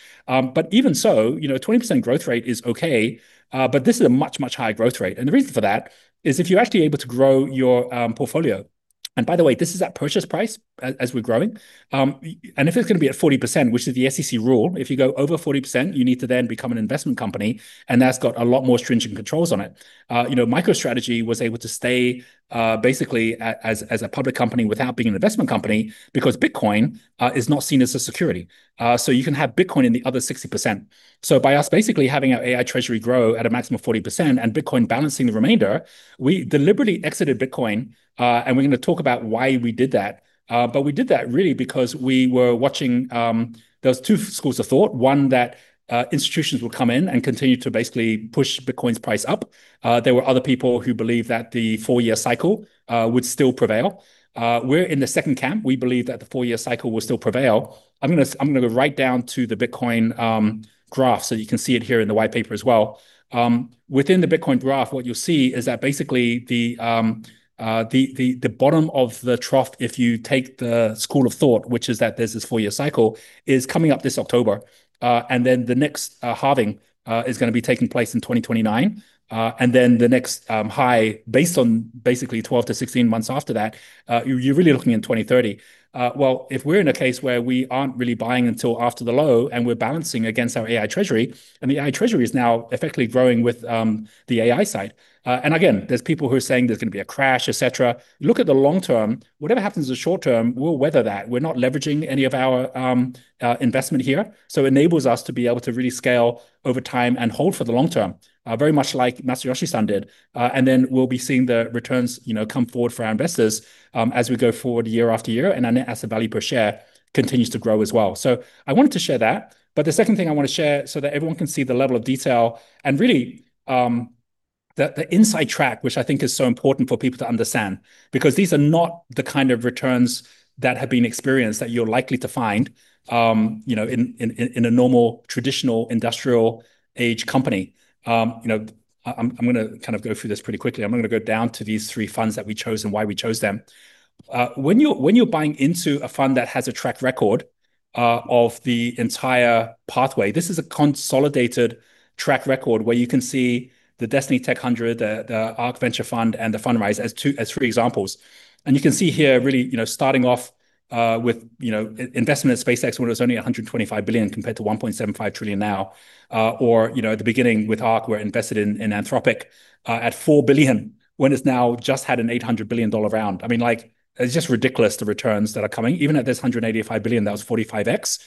Even so, 20% growth rate is okay, but this is a much, much higher growth rate. The reason for that is if you're actually able to grow your portfolio. And by the way, this is at purchase price as we're growing. If it's going to be at 40%, which is the SEC rule, if you go over 40%, you need to then become an investment company, and that's got a lot more stringent controls on it. MicroStrategy was able to stay basically as a public company without being an investment company because Bitcoin is not seen as a security. You can have Bitcoin in the other 60%. By us basically having our AI treasury grow at a maximum of 40% and Bitcoin balancing the remainder, we deliberately exited Bitcoin, and we're going to talk about why we did that. We did that really because we were watching, there was two schools of thought. One, that institutions would come in and continue to basically push Bitcoin's price up. There were other people who believed that the four-year cycle would still prevail. We're in the second camp. We believe that the four-year cycle will still prevail. I'm going to go right down to the Bitcoin graph so you can see it here in the white paper as well. Within the Bitcoin graph, what you'll see is that basically the bottom of the trough, if you take the school of thought, which is that there's this four-year cycle, is coming up this October. The next halving is going to be taking place in 2029. The next high, based on basically 12-16 months after that, you're really looking in 2030. Well, if we're in a case where we aren't really buying until after the low and we're balancing against our AI treasury, the AI treasury is now effectively growing with the AI side. Again, there's people who are saying there's going to be a crash, et cetera. Look at the long term. Whatever happens in the short term, we'll weather that. We're not leveraging any of our investment here. It enables us to be able to really scale over time and hold for the long term, very much like Masayoshi Son did. Then we'll be seeing the returns come forward for our investors as we go forward year after year and our net asset value per share continues to grow as well. I wanted to share that, but the second thing I want to share so that everyone can see the level of detail and really the inside track, which I think is so important for people to understand, because these are not the kind of returns that have been experienced that you're likely to find in a normal, traditional, industrial-age company. I'm going to go through this pretty quickly. I'm going to go down to these three funds that we chose and why we chose them. When you're buying into a fund that has a track record of the entire pathway, this is a consolidated track record where you can see the Destiny Tech100, the ARK Venture Fund, and the Fundrise as three examples. You can see here, really starting off with investment in SpaceX when it was only $125 billion compared to $1.75 trillion now, or at the beginning with ARK, we're invested in Anthropic at $4 billion when it's now just had an $800 billion round. It's just ridiculous the returns that are coming. Even at this $185 billion, that was 45x.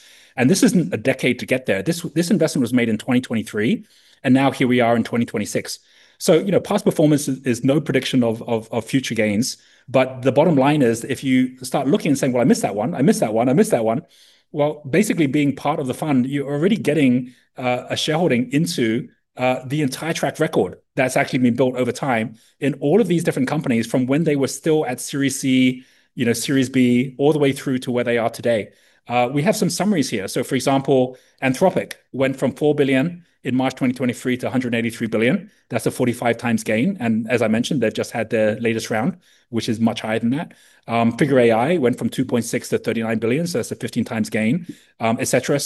This isn't a decade to get there. This investment was made in 2023, and now here we are in 2026. Past performance is no prediction of future gains. The bottom line is, if you start looking and saying, "Well, I missed that one, I missed that one, I missed that one," well, basically being part of the fund, you're already getting a shareholding into the entire track record that's actually been built over time in all of these different companies from when they were still at Series C, Series B, all the way through to where they are today. We have some summaries here. For example, Anthropic went from $4 billion in March 2023 to $183 billion. That's a 45x gain. As I mentioned, they've just had their latest round, which is much higher than that. Figure AI went from $2.6-$39 billion, that's a 15x gain, et cetera.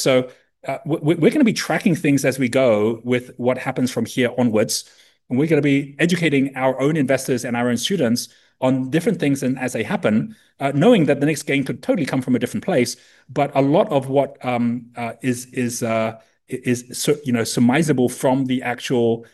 We're going to be tracking things as we go with what happens from here onwards, and we're going to be educating our own investors and our own students on different things as they happen, knowing that the next gain could totally come from a different place. A lot of what is surmisable from the actual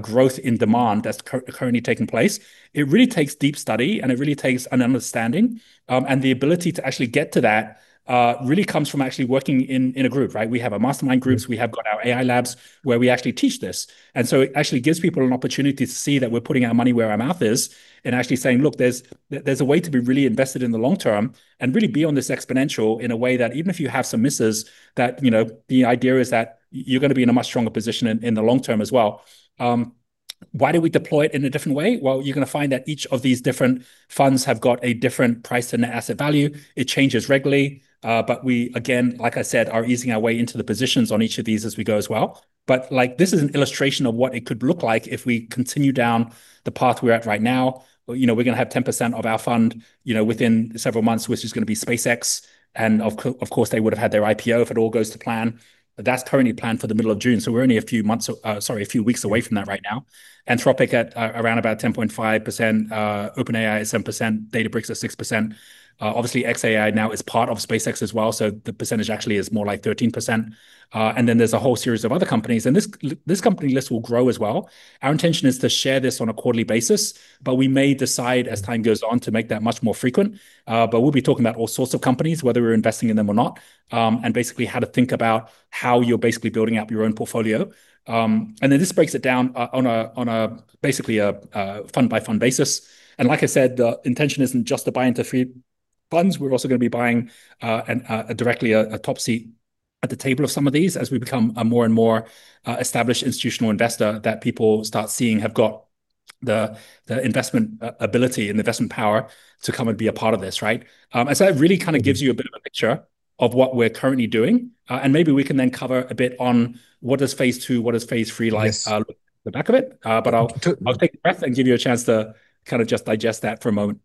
growth in demand that's currently taking place, it really takes deep study and it really takes an understanding, and the ability to actually get to that really comes from actually working in a group, right? We have our mastermind groups. We have got our AI labs where we actually teach this. It actually gives people an opportunity to see that we're putting our money where our mouth is and actually saying, look, there's a way to be really invested in the long term and really be on this exponential in a way that even if you have some misses, that the idea is that you're going to be in a much stronger position in the long term as well. Why do we deploy it in a different way? Well, you're going to find that each of these different funds have got a different price and net asset value. It changes regularly. We, again, like I said, are easing our way into the positions on each of these as we go as well. This is an illustration of what it could look like if we continue down the path we're at right now. We're going to have 10% of our fund within several months, which is going to be SpaceX. Of course, they would have had their IPO if it all goes to plan. That's currently planned for the middle of June, so we're only a few weeks away from that right now. Anthropic at around about 10.5%, OpenAI is 7%, Databricks is 6%. Obviously, xAI now is part of SpaceX as well, the percentage actually is more like 13%. Then there's a whole series of other companies, and this company list will grow as well. Our intention is to share this on a quarterly basis, we may decide as time goes on to make that much more frequent. We'll be talking about all sorts of companies, whether we're investing in them or not, and basically how to think about how you're basically building out your own portfolio. This breaks it down on basically a fund-by-fund basis. Like I said, the intention isn't just to buy into three funds. We're also going to be buying directly a top seat at the table of some of these as we become a more and more established institutional investor that people start seeing have got the investment ability and investment power to come and be a part of this, right? So that really gives you a bit of a picture of what we're currently doing. Maybe we can then cover a bit on what does phase II, what does phase III look like at the back of it. I'll take a breath and give you a chance to just digest that for a moment.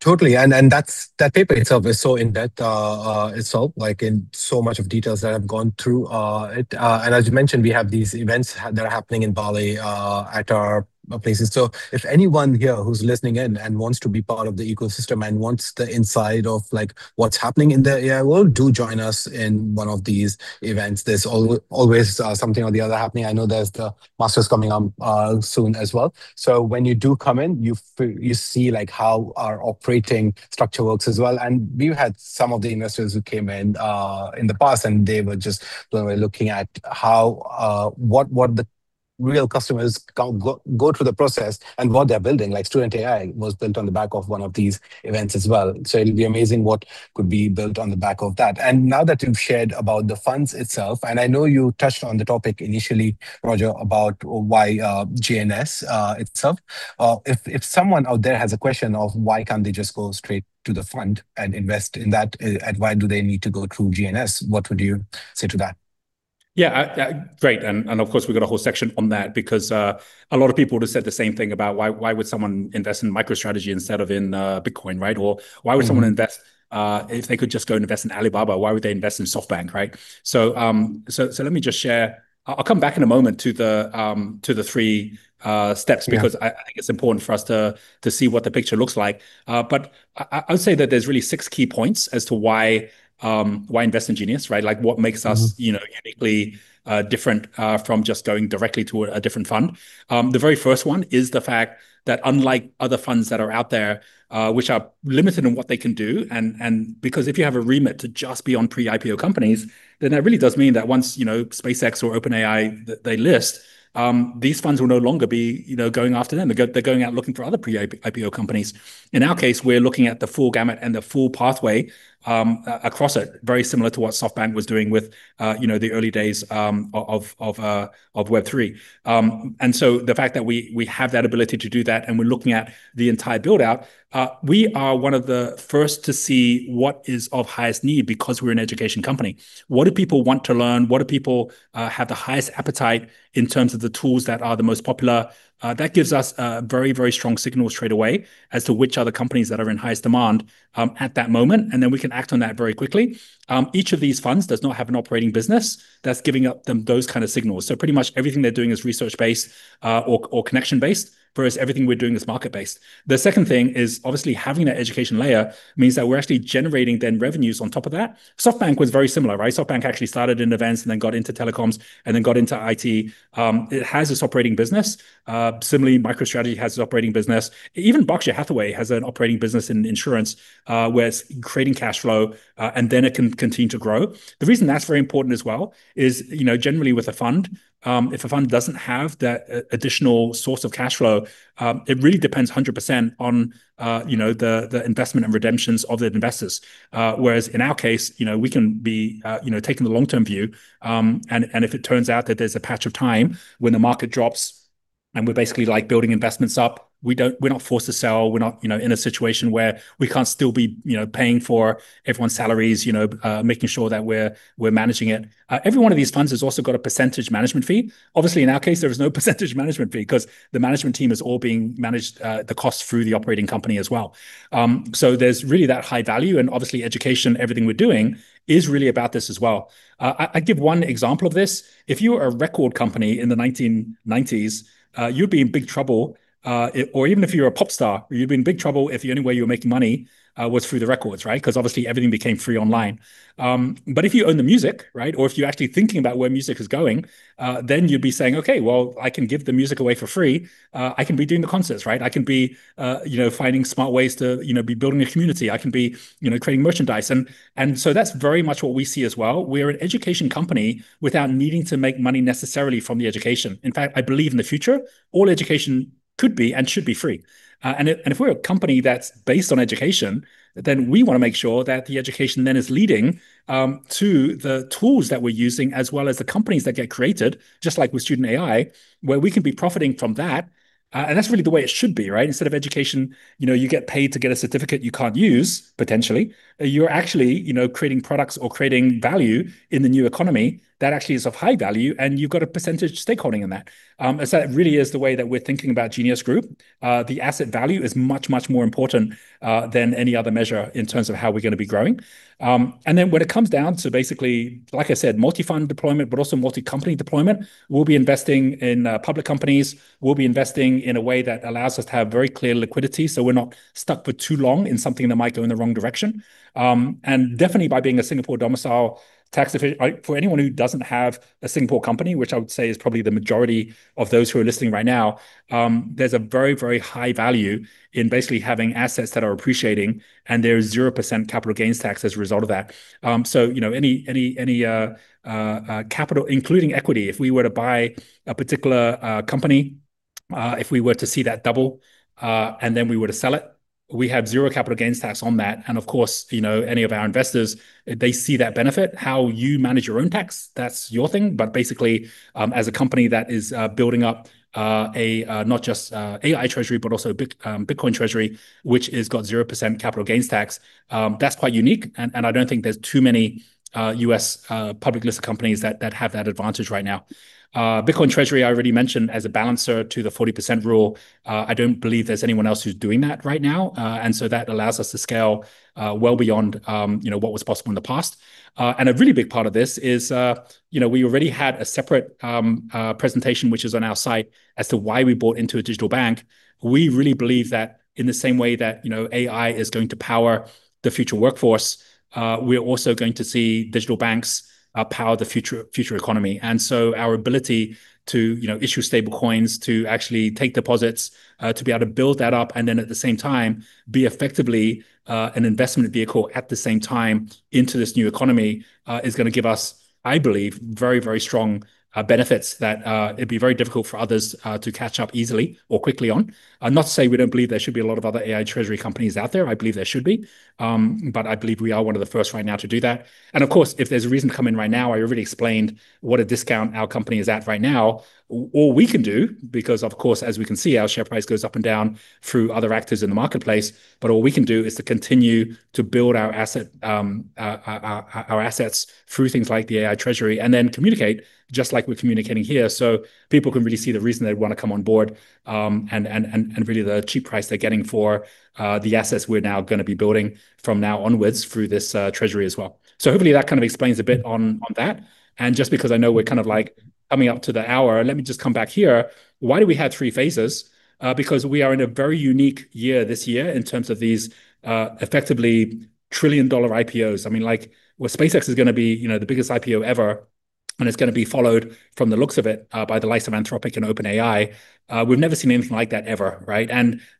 Totally. That paper itself is so in-depth and so much of details that have gone through it. As you mentioned, we have these events that are happening in Bali at our places. If anyone here who's listening in and wants to be part of the ecosystem and wants the insight of what's happening in the AI world, do join us in one of these events. There's always something or the other happening. I know there's the Masters coming up soon as well. When you do come in, you see how our operating structure works as well. We've had some of the investors who came in in the past, and they were just looking at what the real customers go through the process and what they're building. Like Student AI was built on the back of one of these events as well. It'll be amazing what could be built on the back of that. Now that you've shared about the funds itself, and I know you touched on the topic initially, Roger, about why GNS itself, if someone out there has a question of why can't they just go straight to the fund and invest in that, and why do they need to go through GNS, what would you say to that? Yeah. Great. Of course, we've got a whole section on that because a lot of people have said the same thing about why would someone invest in MicroStrategy instead of in Bitcoin, right? Why would someone invest if they could just go and invest in Alibaba? Why would they invest in SoftBank, right? Let me just share. I'll come back in a moment to the three steps. Yeah I think it's important for us to see what the picture looks like. I would say that there's really six key points as to why invest in Genius, right? What makes us uniquely different from just going directly to a different fund? The very first one is the fact that unlike other funds that are out there, which are limited in what they can do, and because if you have a remit to just be on pre-IPO companies, then that really does mean that once SpaceX or OpenAI, they list, these funds will no longer be going after them. They're going out looking for other pre-IPO companies. In our case, we're looking at the full gamut and the full pathway across it, very similar to what SoftBank was doing with the early days of Web3. The fact that we have that ability to do that and we’re looking at the entire build-out, we are one of the first to see what is of highest need because we’re an education company. What do people want to learn? What do people have the highest appetite in terms of the tools that are the most popular? That gives us very strong signals straight away as to which are the companies that are in highest demand at that moment. We can act on that very quickly. Each of these funds does not have an operating business that’s giving up those kind of signals. Pretty much everything they’re doing is research-based or connection-based, whereas everything we’re doing is market-based. The second thing is obviously having that education layer means that we’re actually generating then revenues on top of that. SoftBank was very similar, right? SoftBank actually started in events and then got into telecoms and then got into IT. It has this operating business. Similarly, MicroStrategy has an operating business. Even Berkshire Hathaway has an operating business in insurance where it's creating cash flow, and then it can continue to grow. The reason that's very important as well is generally with a fund, if a fund doesn't have that additional source of cash flow, it really depends 100% on the investment and redemptions of the investors. Whereas in our case, we can be taking the long-term view, and if it turns out that there's a patch of time when the market drops and we're basically building investments up, we're not forced to sell. We're not in a situation where we can't still be paying for everyone's salaries, making sure that we're managing it. Every one of these funds has also got a percentage management fee. In our case, there is no percentage management fee because the management team is all being managed the cost through the operating company as well. There's really that high value, and education, everything we're doing is really about this as well. I give one example of this. If you were a record company in the 1990s, you'd be in big trouble. Even if you're a pop star, you'd be in big trouble if the only way you were making money was through the records, right? Everything became free online. If you own the music, right, or if you're actually thinking about where music is going, you'd be saying, "Okay, well, I can give the music away for free. I can be doing the concerts," right? I can be finding smart ways to be building a community. I can be creating merchandise. That's very much what we see as well. We're an education company without needing to make money necessarily from the education. In fact, I believe in the future, all education could be and should be free. If we're a company that's based on education, then we want to make sure that the education then is leading to the tools that we're using as well as the companies that get created, just like with Student AI, where we can be profiting from that. That's really the way it should be, right? Instead of education, you get paid to get a certificate you can't use, potentially. You're actually creating products or creating value in the new economy that actually is of high value, and you've got a percentage stakeholding in that. That really is the way that we're thinking about Genius Group. The asset value is much, much more important than any other measure in terms of how we're going to be growing. When it comes down to basically, like I said, multi-fund deployment, but also multi-company deployment, we'll be investing in public companies. We'll be investing in a way that allows us to have very clear liquidity, so we're not stuck for too long in something that might go in the wrong direction. Definitely by being a Singapore domicile, for anyone who doesn't have a Singapore company, which I would say is probably the majority of those who are listening right now, there's a very high value in basically having assets that are appreciating, and there is 0% capital gains tax as a result of that. Any capital, including equity, if we were to buy a particular company, if we were to see that double, and then we were to sell it, we have zero capital gains tax on that, and of course, any of our investors, they see that benefit. How you manage your own tax, that's your thing. Basically, as a company that is building up a not just AI treasury, but also Bitcoin treasury, which has got 0% capital gains tax, that's quite unique, and I don't think there's too many U.S. public listed companies that have that advantage right now. Bitcoin treasury, I already mentioned as a balancer to the 40% rule. I don't believe there's anyone else who's doing that right now. That allows us to scale well beyond what was possible in the past. A really big part of this is we already had a separate presentation, which is on our site, as to why we bought into a digital bank. We really believe that in the same way that AI is going to power the future workforce, we're also going to see digital banks power the future economy. Our ability to issue stable coins, to actually take deposits, to be able to build that up, and then at the same time be effectively an investment vehicle at the same time into this new economy, is going to give us, I believe, very strong benefits that it'd be very difficult for others to catch up easily or quickly on. Not to say we don't believe there should be a lot of other AI treasury companies out there, I believe there should be. I believe we are one of the first right now to do that. Of course, if there's a reason to come in right now, I already explained what a discount our company is at right now. All we can do, because of course, as we can see, our share price goes up and down through other actors in the marketplace, but all we can do is to continue to build our assets through things like the AI treasury, and then communicate just like we're communicating here, so people can really see the reason they'd want to come on board, and really the cheap price they're getting for the assets we're now going to be building from now onwards through this treasury as well. Hopefully that explains a bit on that. Just because I know we're coming up to the hour, let me just come back here. Why do we have three phases? We are in a very unique year this year in terms of these effectively trillion-dollar IPOs. SpaceX is going to be the biggest IPO ever, and it's going to be followed, from the looks of it, by the likes of Anthropic and OpenAI. We've never seen anything like that ever, right?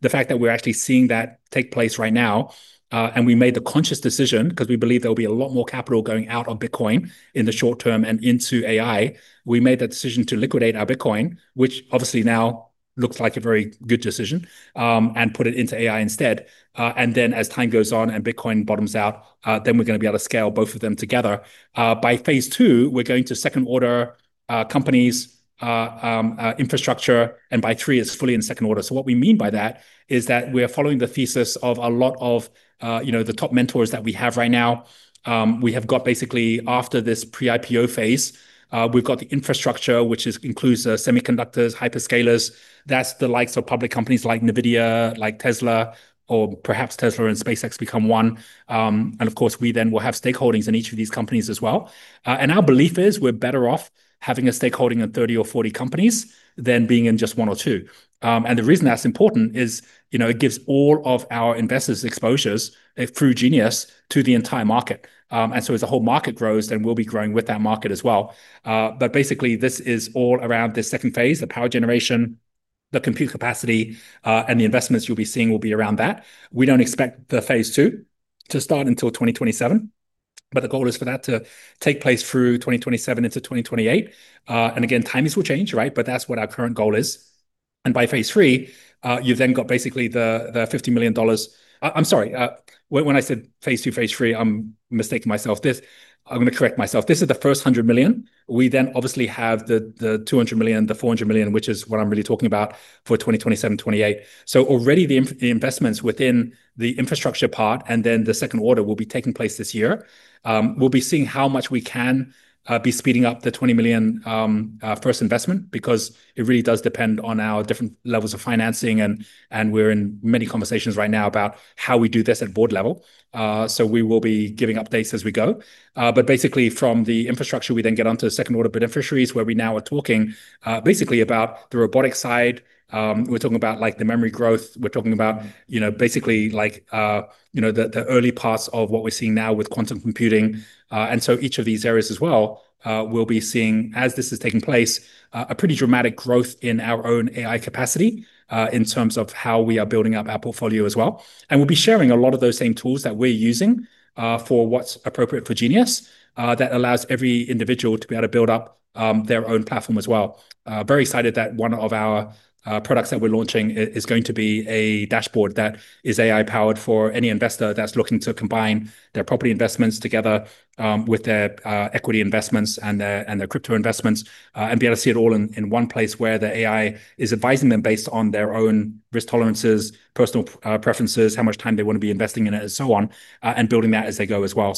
The fact that we're actually seeing that take place right now, and we made the conscious decision because we believe there will be a lot more capital going out of Bitcoin in the short term and into AI. We made that decision to liquidate our Bitcoin, which obviously now looks like a very good decision, and put it into AI instead. Then as time goes on and Bitcoin bottoms out, then we're going to be able to scale both of them together. By phase II, we're going to second-order companies' infrastructure, and by three, it's fully in second order. What we mean by that is that we are following the thesis of a lot of the top mentors that we have right now. We have got basically after this pre-IPO phase, we've got the infrastructure, which includes semiconductors, hyperscalers. That's the likes of public companies like NVIDIA, like Tesla, or perhaps Tesla and SpaceX become one. Of course, we then will have stakeholdings in each of these companies as well. Our belief is we're better off having a stakeholding in 30 or 40 companies than being in just one or two. The reason that's important is it gives all of our investors exposures through Genius to the entire market. As the whole market grows, then we'll be growing with that market as well. Basically, this is all around this phase II, the power generation, the compute capacity, and the investments you'll be seeing will be around that. We don't expect the phase II to start until 2027, but the goal is for that to take place through 2027 into 2028. Again, timings will change, right? That's what our current goal is. By phase III, you've then got basically the $50 million. I'm sorry. When I said phase II, phase III, I'm mistaking myself. I'm going to correct myself. This is the first $100 million. We then obviously have the $200 million, the $400 million, which is what I'm really talking about for 2027, 2028. Already the investments within the infrastructure part, and then the second order will be taking place this year. We'll be seeing how much we can be speeding up the $20 million first investment, because it really does depend on our different levels of financing, and we're in many conversations right now about how we do this at board level. We will be giving updates as we go. Basically, from the infrastructure, we then get onto second-order beneficiaries, where we now are talking basically about the robotic side. We're talking about the memory growth. We're talking about basically the early parts of what we're seeing now with quantum computing. Each of these areas as well, we'll be seeing as this is taking place, a pretty dramatic growth in our own AI capacity, in terms of how we are building up our portfolio as well. We'll be sharing a lot of those same tools that we're using for what's appropriate for Genius, that allows every individual to be able to build up their own platform as well. Very excited that one of our products that we're launching is going to be a dashboard that is AI-powered for any investor that's looking to combine their property investments together with their equity investments and their crypto investments, and be able to see it all in one place here the AI is advising them based on their own risk tolerances, personal preferences, how much time they want to be investing in it, and so on, and building that as they go as well.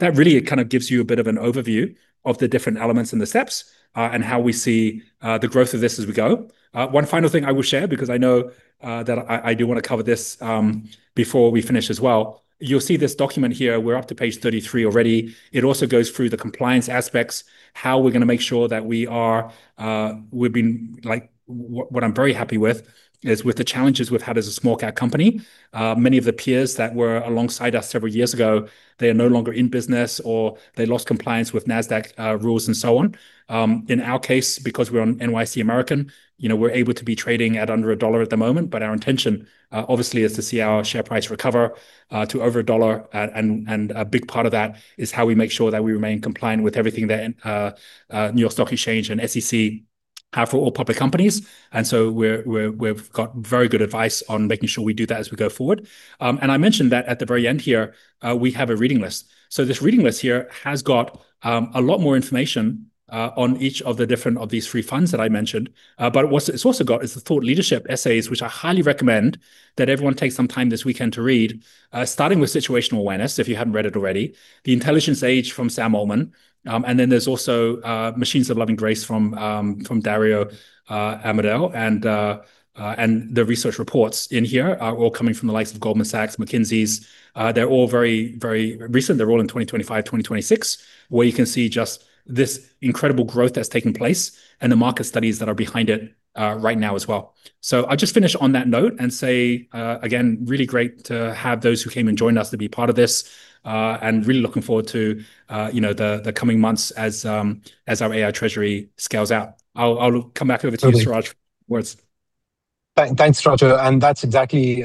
That really gives you a bit of an overview of the different elements and the steps, and how we see the growth of this as we go. One final thing I will share, because I know that I do want to cover this before we finish as well. You'll see this document here, we're up to page 33 already. It also goes through the compliance aspects. What I'm very happy with is with the challenges we've had as a small-cap company, many of the peers that were alongside us several years ago, they are no longer in business, or they lost compliance with Nasdaq rules and so on. In our case, because we're on NYSE American, we're able to be trading at under $1 at the moment, but our intention, obviously, is to see our share price recover to over $1, and a big part of that is how we make sure that we remain compliant with everything that New York Stock Exchange and SEC have for all public companies. We've got very good advice on making sure we do that as we go forward. I mentioned that at the very end here, we have a reading list. This reading list here has got a lot more information on each of the different of these three funds that I mentioned. What it's also got is the thought leadership essays, which I highly recommend that everyone takes some time this weekend to read, starting with Situational Awareness, if you haven't read it already, The Intelligence Age from Sam Altman, and then there's also, Machines of Loving Grace from Dario Amodei. The research reports in here are all coming from the likes of Goldman Sachs, McKinsey's. They're all very recent. They're all in 2025, 2026, where you can see just this incredible growth that's taking place and the market studies that are behind it right now as well. I'll just finish on that note and say, again, really great to have those who came and joined us to be part of this, and really looking forward to the coming months as our AI treasury scales out. I'll come back over to you, Suraj. Totally with words. Thanks, Roger. That's exactly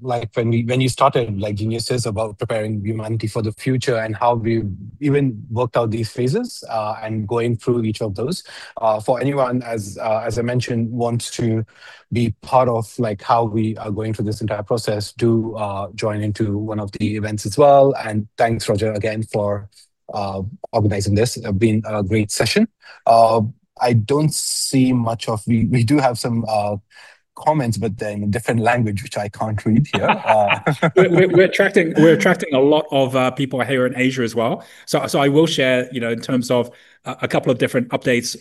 like when you started, like Genius says about preparing humanity for the future and how we've even worked out these phases, and going through each of those. For anyone, as I mentioned, wants to be part of how we are going through this entire process, do join into one of the events as well. Thanks, Roger, again, for organizing this. Been a great session. I don't see. We do have some comments, but they're in a different language, which I can't read here. We're attracting a lot of people here in Asia as well. I will share in terms of a couple of different updates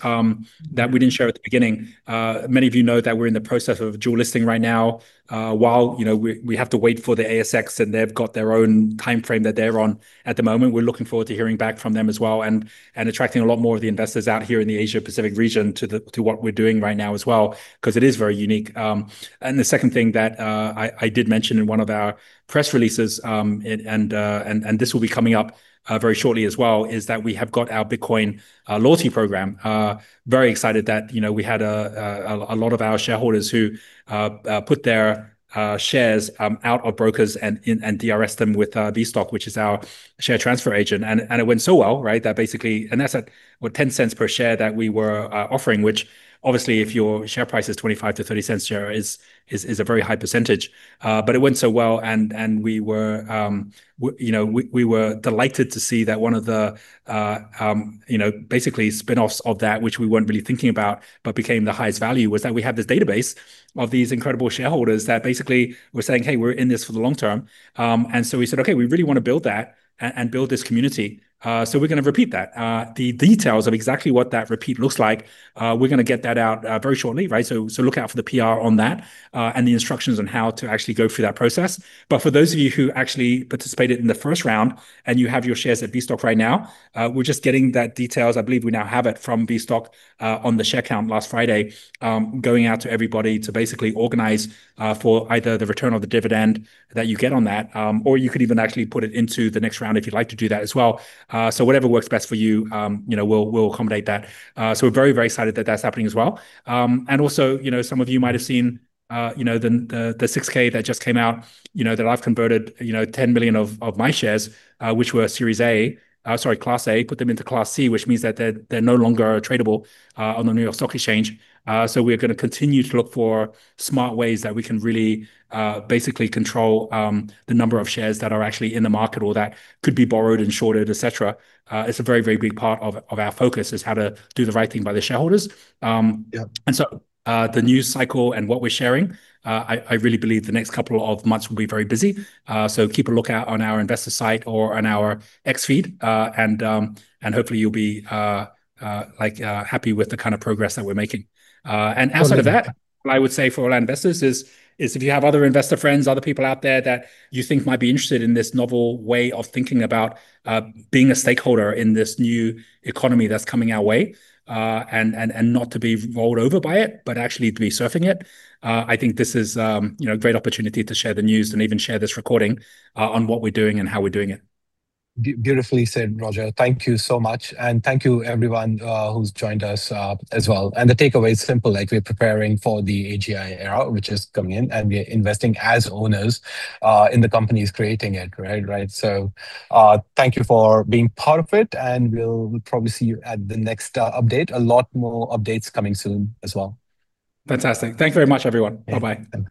that we didn't share at the beginning. Many of you know that we're in the process of dual listing right now. While we have to wait for the ASX, and they've got their own timeframe that they're on at the moment, we're looking forward to hearing back from them as well and attracting a lot more of the investors out here in the Asia-Pacific region to what we're doing right now as well, because it is very unique. The second thing that I did mention in one of our press releases, and this will be coming up very shortly as well, is that we have got our Bitcoin loyalty program. Very excited that we had a lot of our shareholders who put their shares out of brokers and DRS them with VStock, which is our share transfer agent. It went so well, right, that basically an asset worth $0.10 per share that we were offering, which obviously, if your share price is $0.25-$0.30 a share, is a very high percentage. It went so well and we were delighted to see that one of the basically spinoffs of that, which we weren't really thinking about but became the highest value, was that we have this database of these incredible shareholders that basically were saying, "Hey, we're in this for the long term." We said, "Okay, we really want to build that and build this community, so we're going to repeat that." The details of exactly what that repeat looks like, we're going to get that out very shortly, right? Look out for the PR on that, and the instructions on how to actually go through that process. For those of you who actually participated in the first round, and you have your shares at VStock right now, we're just getting that details, I believe we now have it from VStock, on the share count last Friday, going out to everybody to basically organize for either the return or the dividend that you get on that, or you could even actually put it into the next round if you'd like to do that as well. Whatever works best for you, we'll accommodate that. We're very, very excited that that's happening as well. Also some of you might have seen the 6-K that just came out that I've converted 10 million of my shares, which were Class A, put them into Class C, which means that they're no longer tradable on the New York Stock Exchange. We're going to continue to look for smart ways that we can really basically control the number of shares that are actually in the market or that could be borrowed and shorted, et cetera. It's a very, very big part of our focus is how to do the right thing by the shareholders. Yeah. The news cycle and what we're sharing, I really believe the next couple of months will be very busy. Keep a lookout on our investor site or on our X feed, and hopefully you'll be happy with the kind of progress that we're making. Awesome. Outside of that, what I would say for all our investors is if you have other investor friends, other people out there that you think might be interested in this novel way of thinking about being a stakeholder in this new economy that's coming our way, and not to be rolled over by it, but actually to be surfing it, I think this is a great opportunity to share the news and even share this recording on what we're doing and how we're doing it. Beautifully said, Roger. Thank you so much, and thank you everyone who's joined us as well. The takeaway is simple, we're preparing for the AGI era, which is coming in, and we are investing as owners in the companies creating it, right? Thank you for being part of it, and we'll probably see you at the next update. A lot more updates coming soon as well. Fantastic. Thank you very much, everyone. Bye-bye.